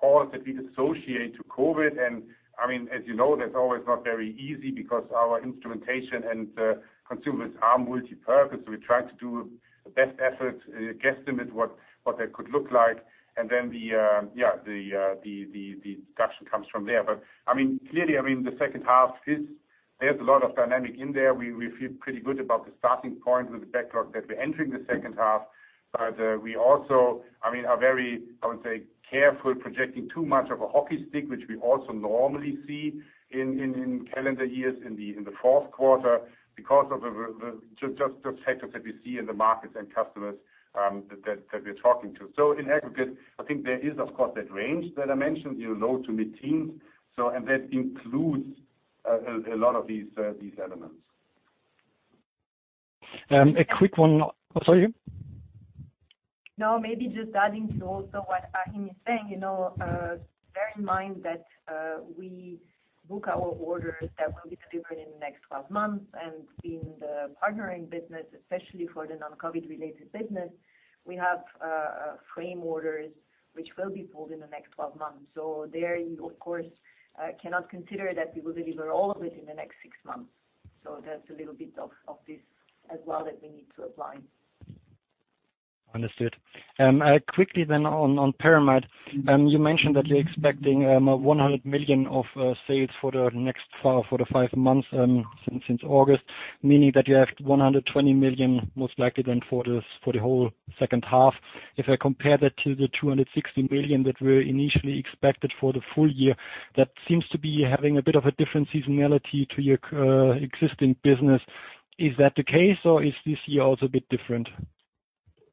orders that we'd associate to COVID-19. As you know, that's always not very easy because our instrumentation and consumers are multipurpose. We try to do the best effort guesstimate what that could look like. Then the deduction comes from there. Clearly, H2, there's a lot of dynamic in there. We feel pretty good about the starting point with the backlog that we're entering H2. We also are very, I would say, careful projecting too much of a hockey stick, which we also normally see in calendar years in Q4 because of just the sectors that we see in the markets and customers that we're talking to. In aggregate, I think there is, of course, that range that I mentioned, low to mid-teens. That includes a lot of these elements. A quick one. Also you? Maybe just adding to also what Achim is saying. Bear in mind that we book our orders that will be delivered in the next 12 months, and in the Partnering Business, especially for the non-COVID-19 related business, we have frame orders which will be pulled in the next 12 months. There, you of course, cannot consider that we will deliver all of it in the next six months. That's a little bit of this as well that we need to apply. Understood. Quickly then on Paramit. You mentioned that you're expecting 100 million of sales for the next four-five months since August, meaning that you have 120 million most likely then for the whole second half. If I compare that to the 260 million that were initially expected for the full year, that seems to be having a bit of a different seasonality to your existing business. Is that the case or is this year also a bit different?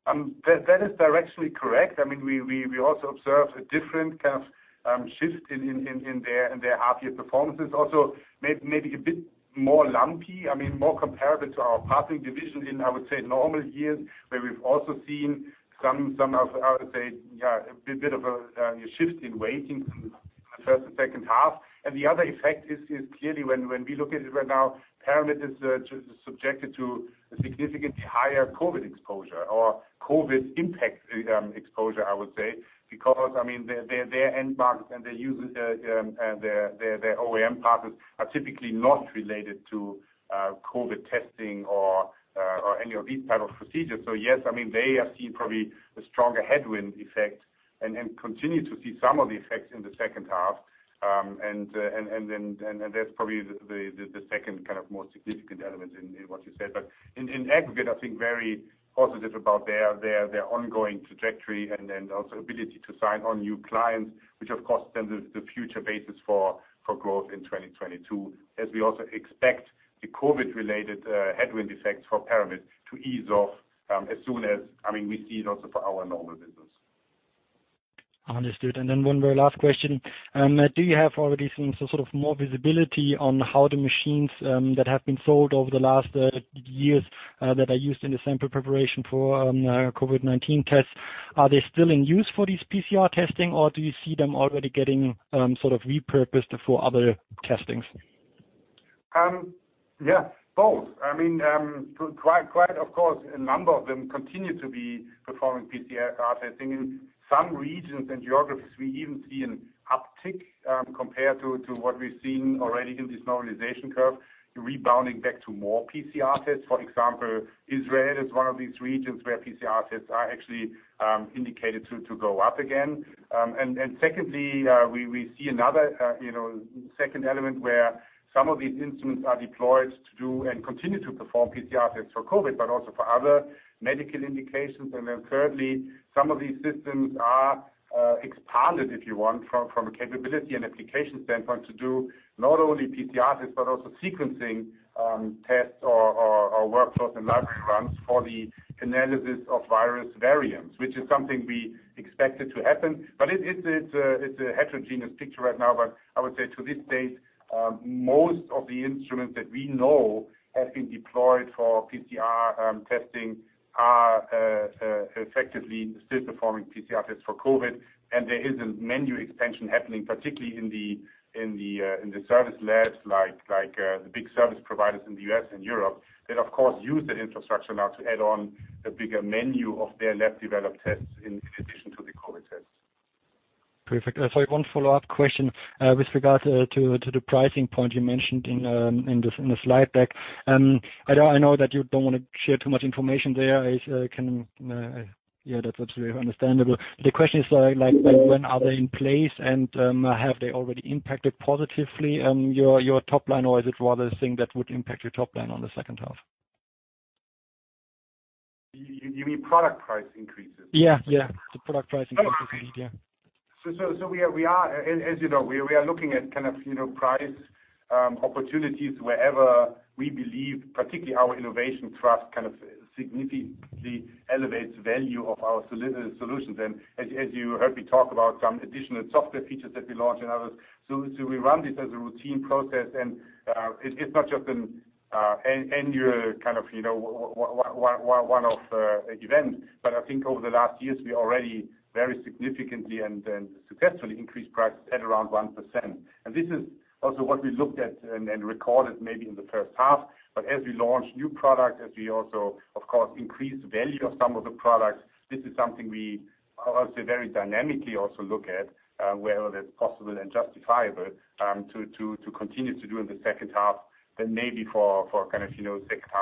That is directionally correct. We also observed a different kind of shift in their half year performances. Also maybe a bit more lumpy, more comparable to our Partnering Business in, I would say, normal years, where we've also seen some of, I would say, a bit of a shift in weighting from the first and second half. The other effect is clearly when we look at it right now, Paramit is subjected to a significantly higher COVID exposure or COVID impact exposure, I would say, because their end markets and their OEM partners are typically not related to COVID testing or any of these type of procedures. Yes, they have seen probably a stronger headwind effect and continue to see some of the effects in the second half. That's probably the second kind of more significant element in what you said. In aggregate, I think very positive about their ongoing trajectory and then also ability to sign on new clients, which of course then the future basis for growth in 2022, as we also expect the COVID-related headwind effects for Paramit to ease off as soon as we see it also for our normal business. Understood. One very last question. Do you have already seen sort of more visibility on how the machines that have been sold over the last years that are used in the sample preparation for COVID-19 tests, are they still in use for these PCR testing or do you see them already getting sort of repurposed for other testings? Both. Quite of course, a number of them continue to be performing PCR testing. In some regions and geographies, we even see an uptick, compared to what we've seen already in this normalization curve, rebounding back to more PCR tests. For example, Israel is one of these regions where PCR tests are actually indicated to go up again. Secondly, we see another second element where some of these instruments are deployed to do and continue to perform PCR tests for COVID, but also for other medical indications. Thirdly, some of these systems are expanded, if you want, from a capability and application standpoint, to do not only PCR tests, but also sequencing tests or workflows and large runs for the analysis of virus variants, which is something we expected to happen. It's a heterogeneous picture right now. I would say to this date, most of the instruments that we know have been deployed for PCR testing are effectively still performing PCR tests for COVID. There is a menu expansion happening, particularly in the service labs, like the big service providers in the U.S. and Europe, that of course use that infrastructure now to add on a bigger menu of their lab developed tests in addition to the COVID tests. Perfect. Sorry, one follow-up question with regards to the pricing point you mentioned in the slide deck. I know that you don't want to share too much information there. Yeah, that's absolutely understandable. The question is when are they in place and have they already impacted positively your top line, or is it rather a thing that would impact your top line on H2? You mean product price increases? Yeah. The product price increases. Yeah. We are, as you know, we are looking at kind of price opportunities wherever we believe, particularly our innovation trust kind of significantly elevates value of our solutions. As you heard me talk about some additional software features that we launched and others. We run this as a routine process and it's not just an annual kind of one-off event. I think over the last years, we already very significantly and successfully increased prices at around 1%. This is also what we looked at and recorded maybe in H1. As we launch new products, as we also, of course, increase the value of some of the products, this is something we obviously very dynamically also look at whether that is possible and justifiable to continue to do in H2 than maybe for kind of H2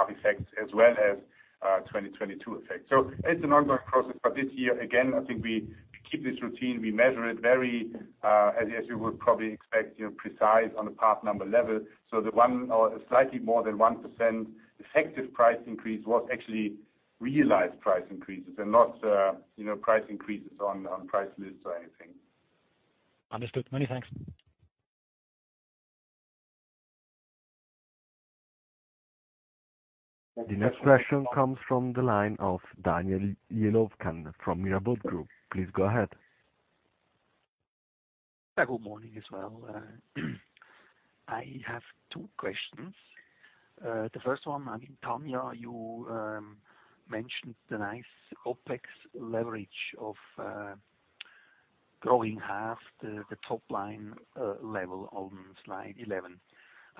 effects as well as 2022 effects. It is an ongoing process. This year, again, I think we keep this routine. We measure it very, as you would probably expect, precise on a part number level. The one or slightly more than 1% effective price increase was actually realized price increases and not price increases on price lists or anything. Understood. Many thanks. The next question comes from the line of Daniel Jelovcan from Mirabaud Securities. Please go ahead. Good morning as well. I have two questions. The first one, Tania, you mentioned the nice OpEx leverage of growing half the top line level on slide 11.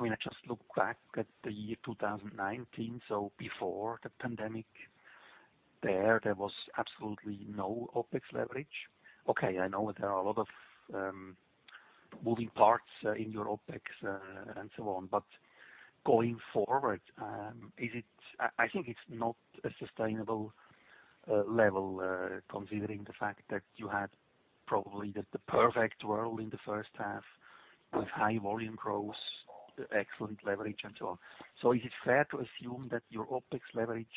I just looked back at the year 2019, so before the pandemic. There was absolutely no OpEx leverage. Okay, I know there are a lot of moving parts in your OpEx, and so on. Going forward, I think it's not a sustainable level, considering the fact that you had probably the perfect world in the first half with high volume growth, excellent leverage, and so on. Is it fair to assume that your OpEx leverage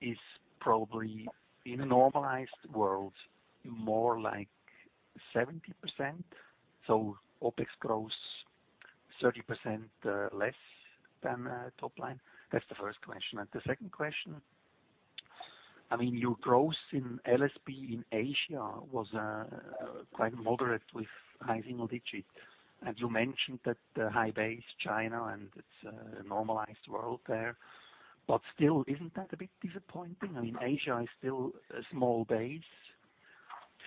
is probably in a normalized world, more like 70%? OpEx grows 30% less than top line? That's the first question. The second question, your growth in LSB in Asia was quite moderate with high single digits. You mentioned that the high base China and its normalized world there. Still, isn't that a bit disappointing? I mean, Asia is still a small base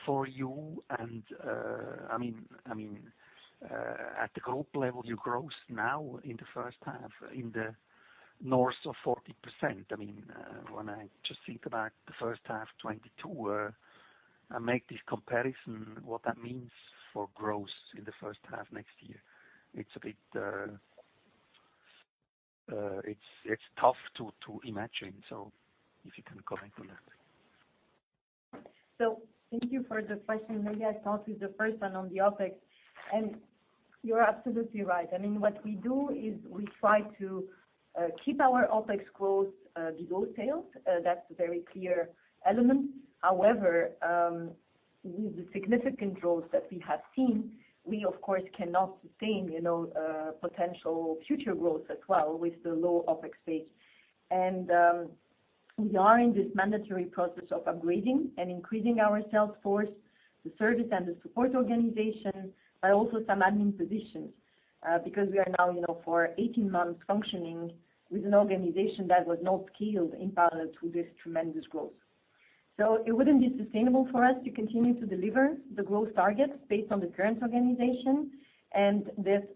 for you, and at the group level, you grow now in H1 in the north of 40%. When I just think about H1 2022, I make this comparison, what that means for grow in the H1 next year. It's tough to imagine. If you can comment on that. Thank you for the question. Maybe I start with the first one on the OpEx. You're absolutely right. What we do is we try to keep our OpEx close to those sales. That's a very clear element. However, with the significant growth that we have seen, we of course cannot sustain potential future growth as well with the low OpEx base. We are in this mandatory process of upgrading and increasing our sales force, the service and the support organization, but also some admin positions, because we are now for 18 months functioning with an organization that was not scaled in parallel to this tremendous growth. It wouldn't be sustainable for us to continue to deliver the growth targets based on the current organization.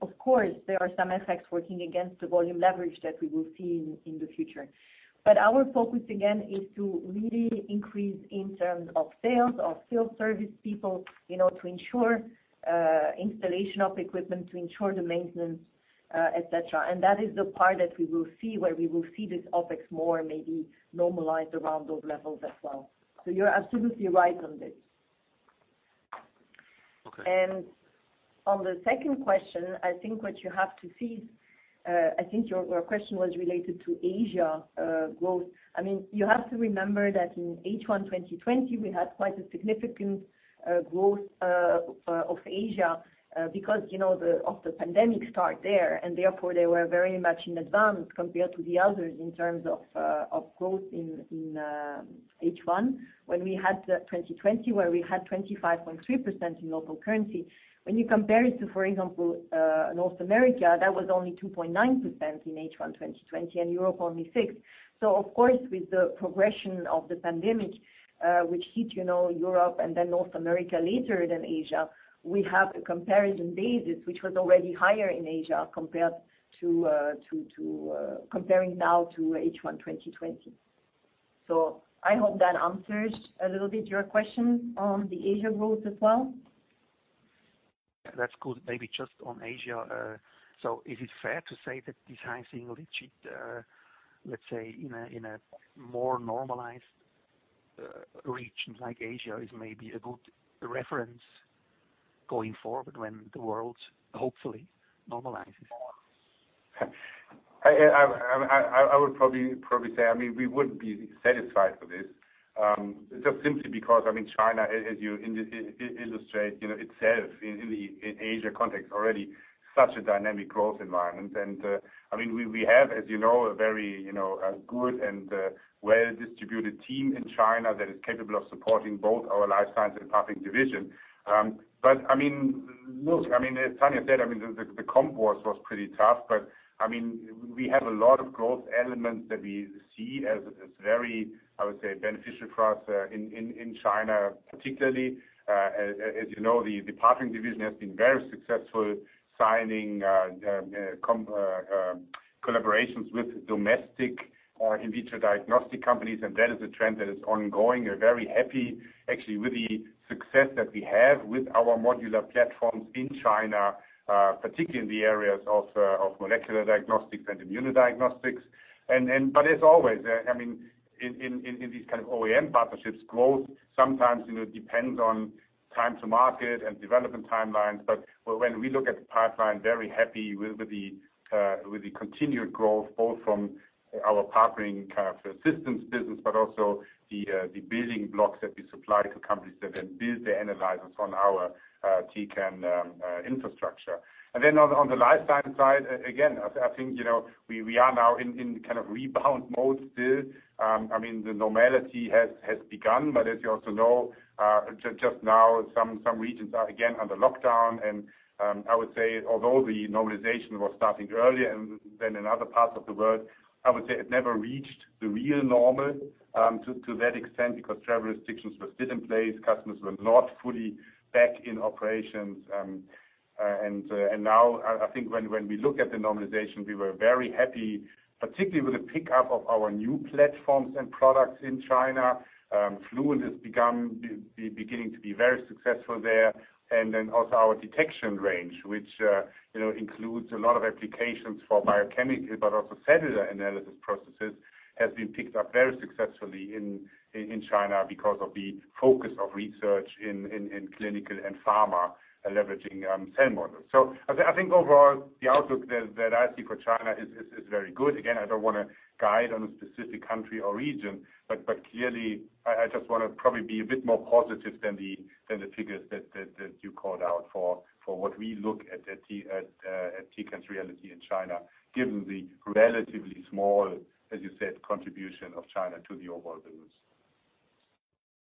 Of course, there are some effects working against the volume leverage that we will see in the future. Our focus again is to really increase in terms of sales, of field service people, to ensure installation of equipment, to ensure the maintenance, et cetera. That is the part that we will see where we will see this OpEx more maybe normalized around those levels as well. You're absolutely right on this. Okay. On the second question, I think what you have to see, I think your question was related to Asia growth. You have to remember that in H1 2020, we had quite a significant growth of Asia because of the pandemic start there, and therefore they were very much in advance compared to the others in terms of growth in H1 when we had 2020, where we had 25.3% in local currency. When you compare it to, for example, North America, that was only 2.9% in H1 2020, and Europe only six. Of course, with the progression of the pandemic, which hit Europe and then North America later than Asia, we have a comparison basis which was already higher in Asia comparing now to H1 2020. I hope that answers a little bit your question on the Asia growth as well. That's good. Maybe just on Asia. Is it fair to say that this high single digit, let's say, in a more normalized region like Asia is maybe a good reference going forward when the world hopefully normalizes? I would probably say we wouldn't be satisfied with this, just simply because China, as you illustrate itself in Asia context, already such a dynamic growth environment. We have, as you know, a very good and well-distributed team in China that is capable of supporting both our Life Science and Partnering Business. Look, as Tania said, the comp was pretty tough. We have a lot of growth elements that we see as very, I would say, beneficial for us in China particularly. As you know, the Partnering Business has been very successful signing collaborations with domestic in vitro diagnostic companies. That is a trend that is ongoing. We're very happy, actually, with the success that we have with our modular platforms in China, particularly in the areas of molecular diagnostics and immuno diagnostics. As always, in these kind of OEM partnerships, growth sometimes depends on time to market and development timelines. When we look at the pipeline, very happy with the continued growth, both from our Partnering Business kind of systems business, but also the building blocks that we supply to companies that then build the analyzers on our Tecan infrastructure. On the Life Science side, again, I think we are now in kind of rebound mode still. The normality has begun, but as you also know, just now, some regions are again under lockdown, and I would say although the normalization was starting earlier than in other parts of the world, I would say it never reached the real normal to that extent because travel restrictions were still in place. Customers were not fully back in operations. Now I think when we look at the normalization, we were very happy, particularly with the pickup of our new platforms and products in China. Fluent is beginning to be very successful there. Also our detection range, which includes a lot of applications for biochemical, but also cellular analysis processes, has been picked up very successfully in China because of the focus of research in clinical and pharma leveraging cell models. I think overall, the outlook that I see for China is very good. Again, I don't want to guide on a specific country or region, but clearly I just want to probably be a bit more positive than the figures that you called out for what we look at Tecan's reality in China, given the relatively small, as you said, contribution of China to the overall business.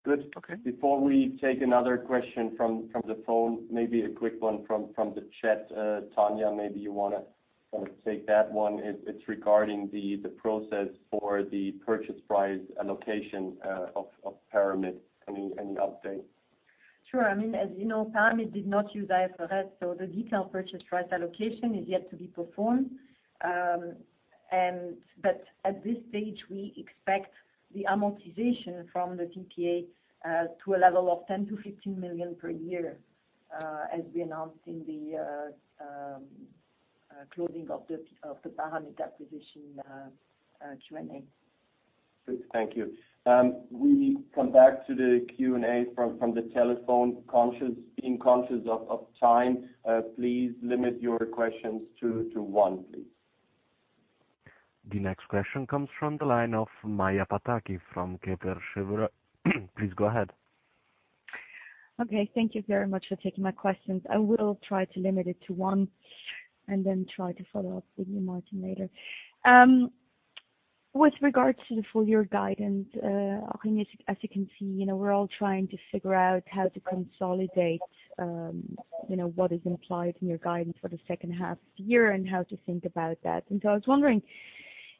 Good. Okay. Before we take another question from the phone, maybe a quick one from the chat. Tania, maybe you want to take that one. It's regarding the process for the purchase price allocation of Paramit. Any update? Sure. As you know, Paramit did not use IFRS, the detailed purchase price allocation is yet to be performed. At this stage, we expect the amortization from the PPA to a level of 10 million-15 million per year, as we announced in the closing of the Paramit acquisition Q&A. Good. Thank you. We come back to the Q&A from the telephone. Being conscious of time, please limit your questions to one, please. The next question comes from the line of Maja Pataki from Kepler Cheuvreux. Please go ahead. Okay. Thank you very much for taking my questions. I will try to limit it to one, and then try to follow up with you, Martin, later. With regards to the full-year guidance, Achim, as you can see, we're all trying to figure out how to consolidate what is implied in your guidance for H2 of the year and how to think about that. I was wondering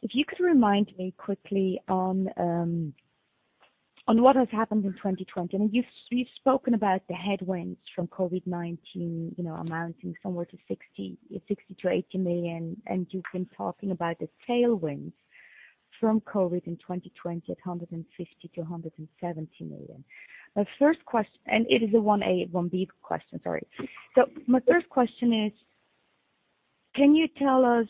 if you could remind me quickly on what has happened in 2020. You've spoken about the headwinds from COVID-19 amounting somewhere to 60 million-80 million, and you've been talking about the tailwinds from COVID in 2020 at 150 million-170 million. My first question. It is a 1A, 1B question, sorry. My first question is, can you tell us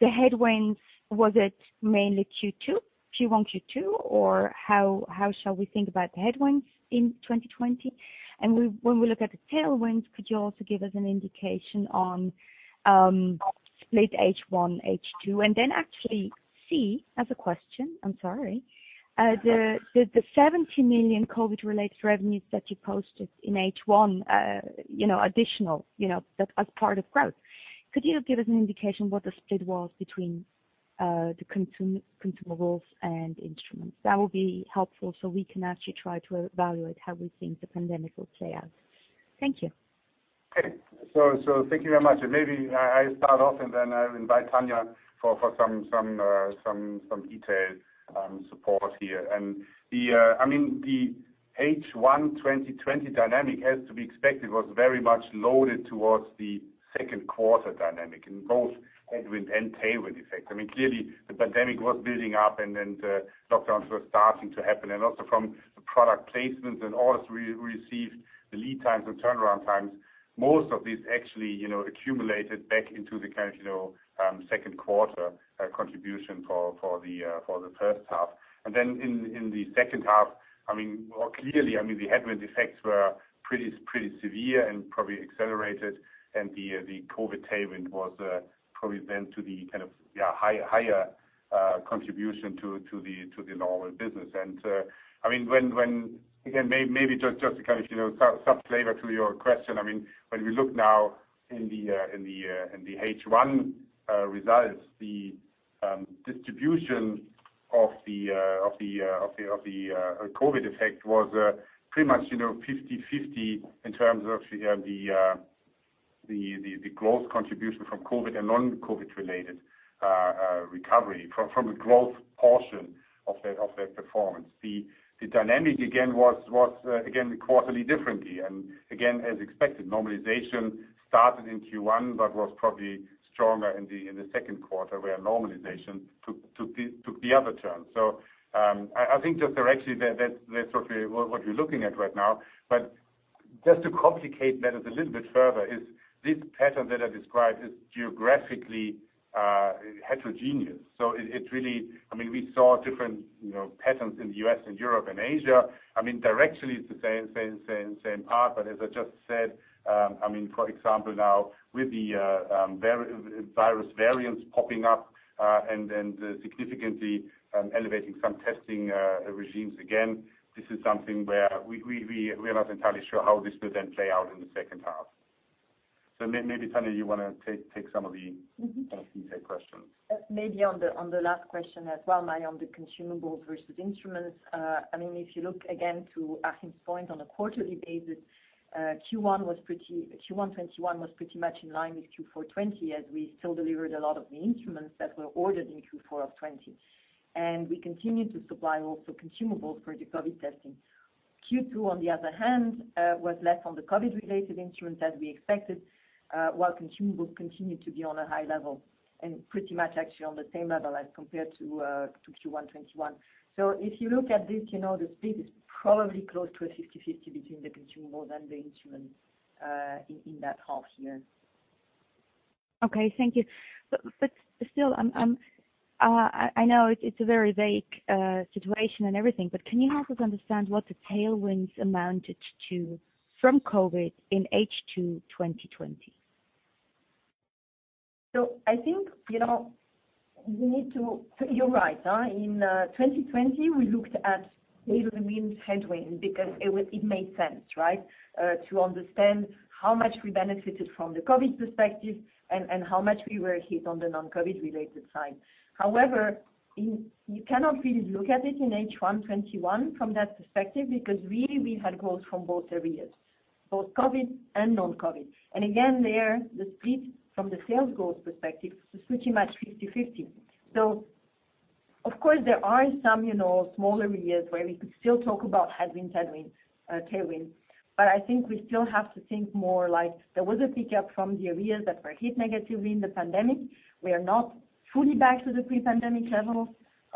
the headwinds, was it mainly Q1, Q2, or how shall we think about the headwinds in 2020? When we look at the tailwinds, could you also give us an indication on split H1, H2? Actually, C, as a question, I'm sorry. The 70 million COVID-related revenues that you posted in H1, additional, as part of growth. Could you give us an indication what the split was between the consumables and instruments? That would be helpful so we can actually try to evaluate how we think the pandemic will play out. Thank you. Okay. Thank you very much. Maybe I start off, then I'll invite Tania for some detail support here. The H1 2020 dynamic, as to be expected, was very much loaded towards the second quarter dynamic in both headwind and tailwind effect. Clearly, the pandemic was building up then the lockdowns were starting to happen. Also from the product placements and orders we received, the lead times and turnaround times, most of these actually accumulated back into the second quarter contribution for the first half. Then in the second half, clearly, the headwind effects were pretty severe and probably accelerated, the COVID tailwind was probably then to the higher contribution to the normal business. Maybe just to add some flavor to your question, when we look now in the H1 results, the distribution of the COVID effect was pretty much 50/50 in terms of the growth contribution from COVID and non-COVID related recovery from a growth portion of that performance. The dynamic was, again, quarterly differently. As expected, normalization started in Q1, but was probably stronger in the second quarter, where normalization took the other turn. I think just directionally, that's what you're looking at right now. Just to complicate matters a little bit further is this pattern that I described is geographically heterogeneous. We saw different patterns in the U.S. and Europe and Asia. Directionally, it's the same path. As I just said, for example now, with the virus variants popping up and significantly elevating some testing regimes again, this is something where we are not entirely sure how this will then play out in the second half. Maybe, Tania, you want to take some of the. kind of detail questions. Maybe on the last question as well, Maja, on the consumables versus instruments. If you look, again, to Achim's point on a quarterly basis, Q1 2021 was pretty much in line with Q4 2020, as we still delivered a lot of the instruments that were ordered in Q4 of 2020. We continued to supply also consumables for the COVID testing. Q2, on the other hand, was less on the COVID-related instruments as we expected, while consumables continued to be on a high level and pretty much actually on the same level as compared to Q1 2021. If you look at this, the split is probably close to a 50/50 between the consumable and the instrument in that half year. Okay. Thank you. Still, I know it's a very vague situation and everything, but can you help us understand what the tailwinds amounted to from COVID in H2 2020? I think you're right. In 2020, we looked at tailwind, headwind, because it made sense, right? To understand how much we benefited from the COVID perspective and how much we were hit on the non-COVID related side. You cannot really look at it in H1 2021 from that perspective, because really, we had growth from both areas, both COVID and non-COVID. Again, there, the split from the sales growth perspective is pretty much 50/50. Of course, there are some smaller areas where we could still talk about headwind, tailwind, but I think we still have to think more like there was a pickup from the areas that were hit negatively in the pandemic. We are not fully back to the pre-pandemic levels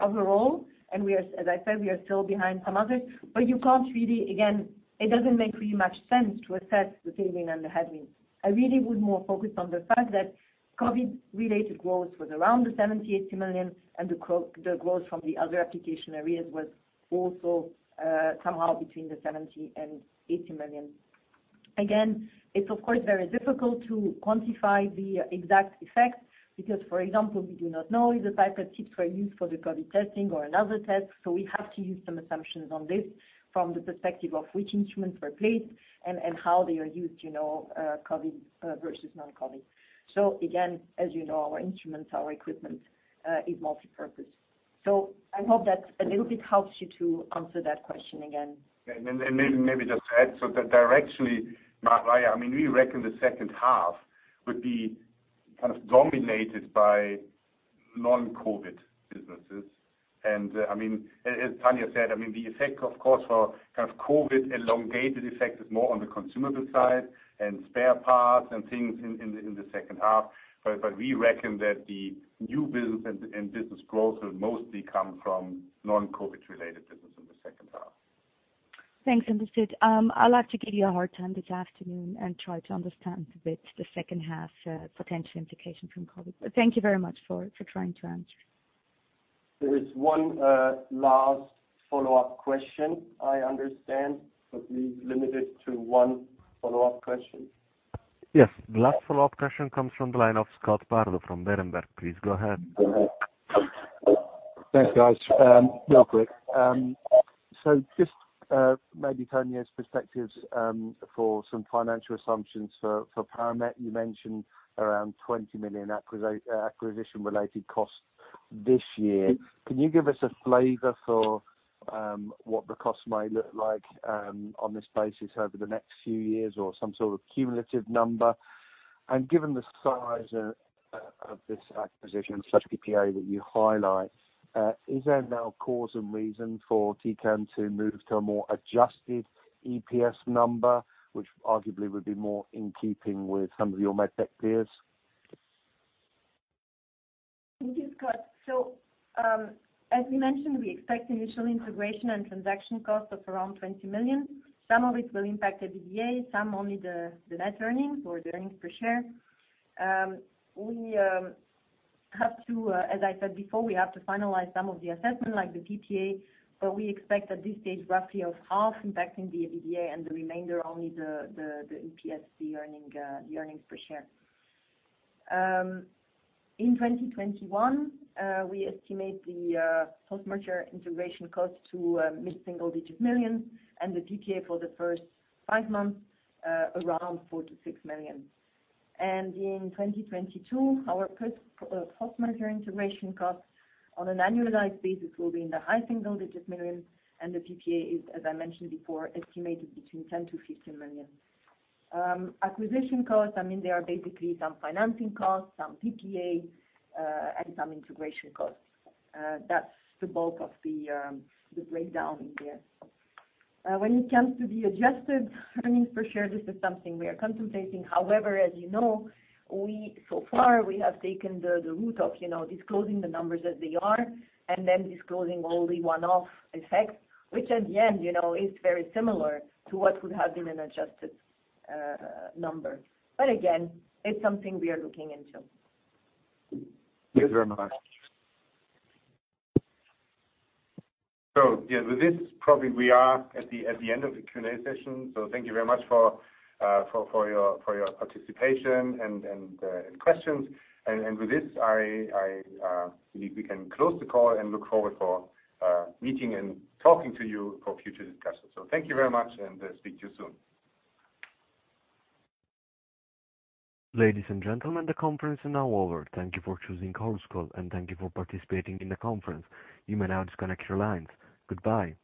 overall, and as I said, we are still behind some others, but you can't really, again, it doesn't make really much sense to assess the tailwind and the headwind. I really would more focus on the fact that COVID related growth was around 70 million-80 million, and the growth from the other application areas was also somehow between 70 million and 80 million. Again, it's of course very difficult to quantify the exact effects because, for example, we do not know if the type of tips were used for the COVID testing or another test, so we have to use some assumptions on this from the perspective of which instruments were placed and how they are used, COVID versus non-COVID. Again, as you know, our instruments, our equipment, is multipurpose. I hope that a little bit helps you to answer that question again. Maybe just to add, directionally, Maja, we reckon H2 would be kind of dominated by non-COVID businesses. As Tania said, the effect of course for kind of COVID elongated effect is more on the consumable side and spare parts and things in H2. We reckon that the new business and business growth will mostly come from non-COVID related business in H2. Thanks, understood. I'll have to give you a hard time this afternoon and try to understand a bit the second half potential implication from COVID. Thank you very much for trying to answer. There is one last follow-up question I understand, but please limit it to one follow-up question. Yes. The last follow-up question comes from the line of Scott Bardo from Berenberg. Please go ahead. Thanks, guys. Real quick. Just maybe Tania's perspectives for some financial assumptions for Paramit. You mentioned around 20 million acquisition-related costs this year. Can you give us a flavor for what the costs may look like on this basis over the next few years or some sort of cumulative number? Given the size of this acquisition / PPA that you highlight, is there now cause and reason for Tecan to move to a more adjusted EPS number, which arguably would be more in keeping with some of your MedTech peers? Thank you, Scott. As we mentioned, we expect initial integration and transaction costs of around 20 million. Some of it will impact the EBITDA, some only the net earnings or the earnings per share. As I said before, we have to finalize some of the assessment, like the PPA, but we expect at this stage roughly of half impacting the EBITDA and the remainder only the EPS, the earnings per share. In 2021, we estimate the post-merger integration cost to mid-single digit millions and the PPA for the first 5 months, around 4 million-6 million. In 2022, our post-merger integration cost on an annualized basis will be in the high single digits millions, and the PPA is, as I mentioned before, estimated between 10 million-15 million. Acquisition costs, they are basically some financing costs, some PPA, and some integration costs. That's the bulk of the breakdown in there. When it comes to the adjusted earnings per share, this is something we are contemplating. However, as you know, so far, we have taken the route of disclosing the numbers as they are and then disclosing only one-off effects, which at the end, is very similar to what would have been an adjusted number. Again, it's something we are looking into. Thank you very much. Yeah, with this, probably we are at the end of the Q&A session. Thank you very much for your participation and questions. With this, I believe we can close the call and look forward for meeting and talking to you for future discussions. Thank you very much and speak to you soon. Ladies and gentlemen, the conference is now over. Thank you for choosing Chorus Call, and thank you for participating in the conference. You may now disconnect your lines. Goodbye.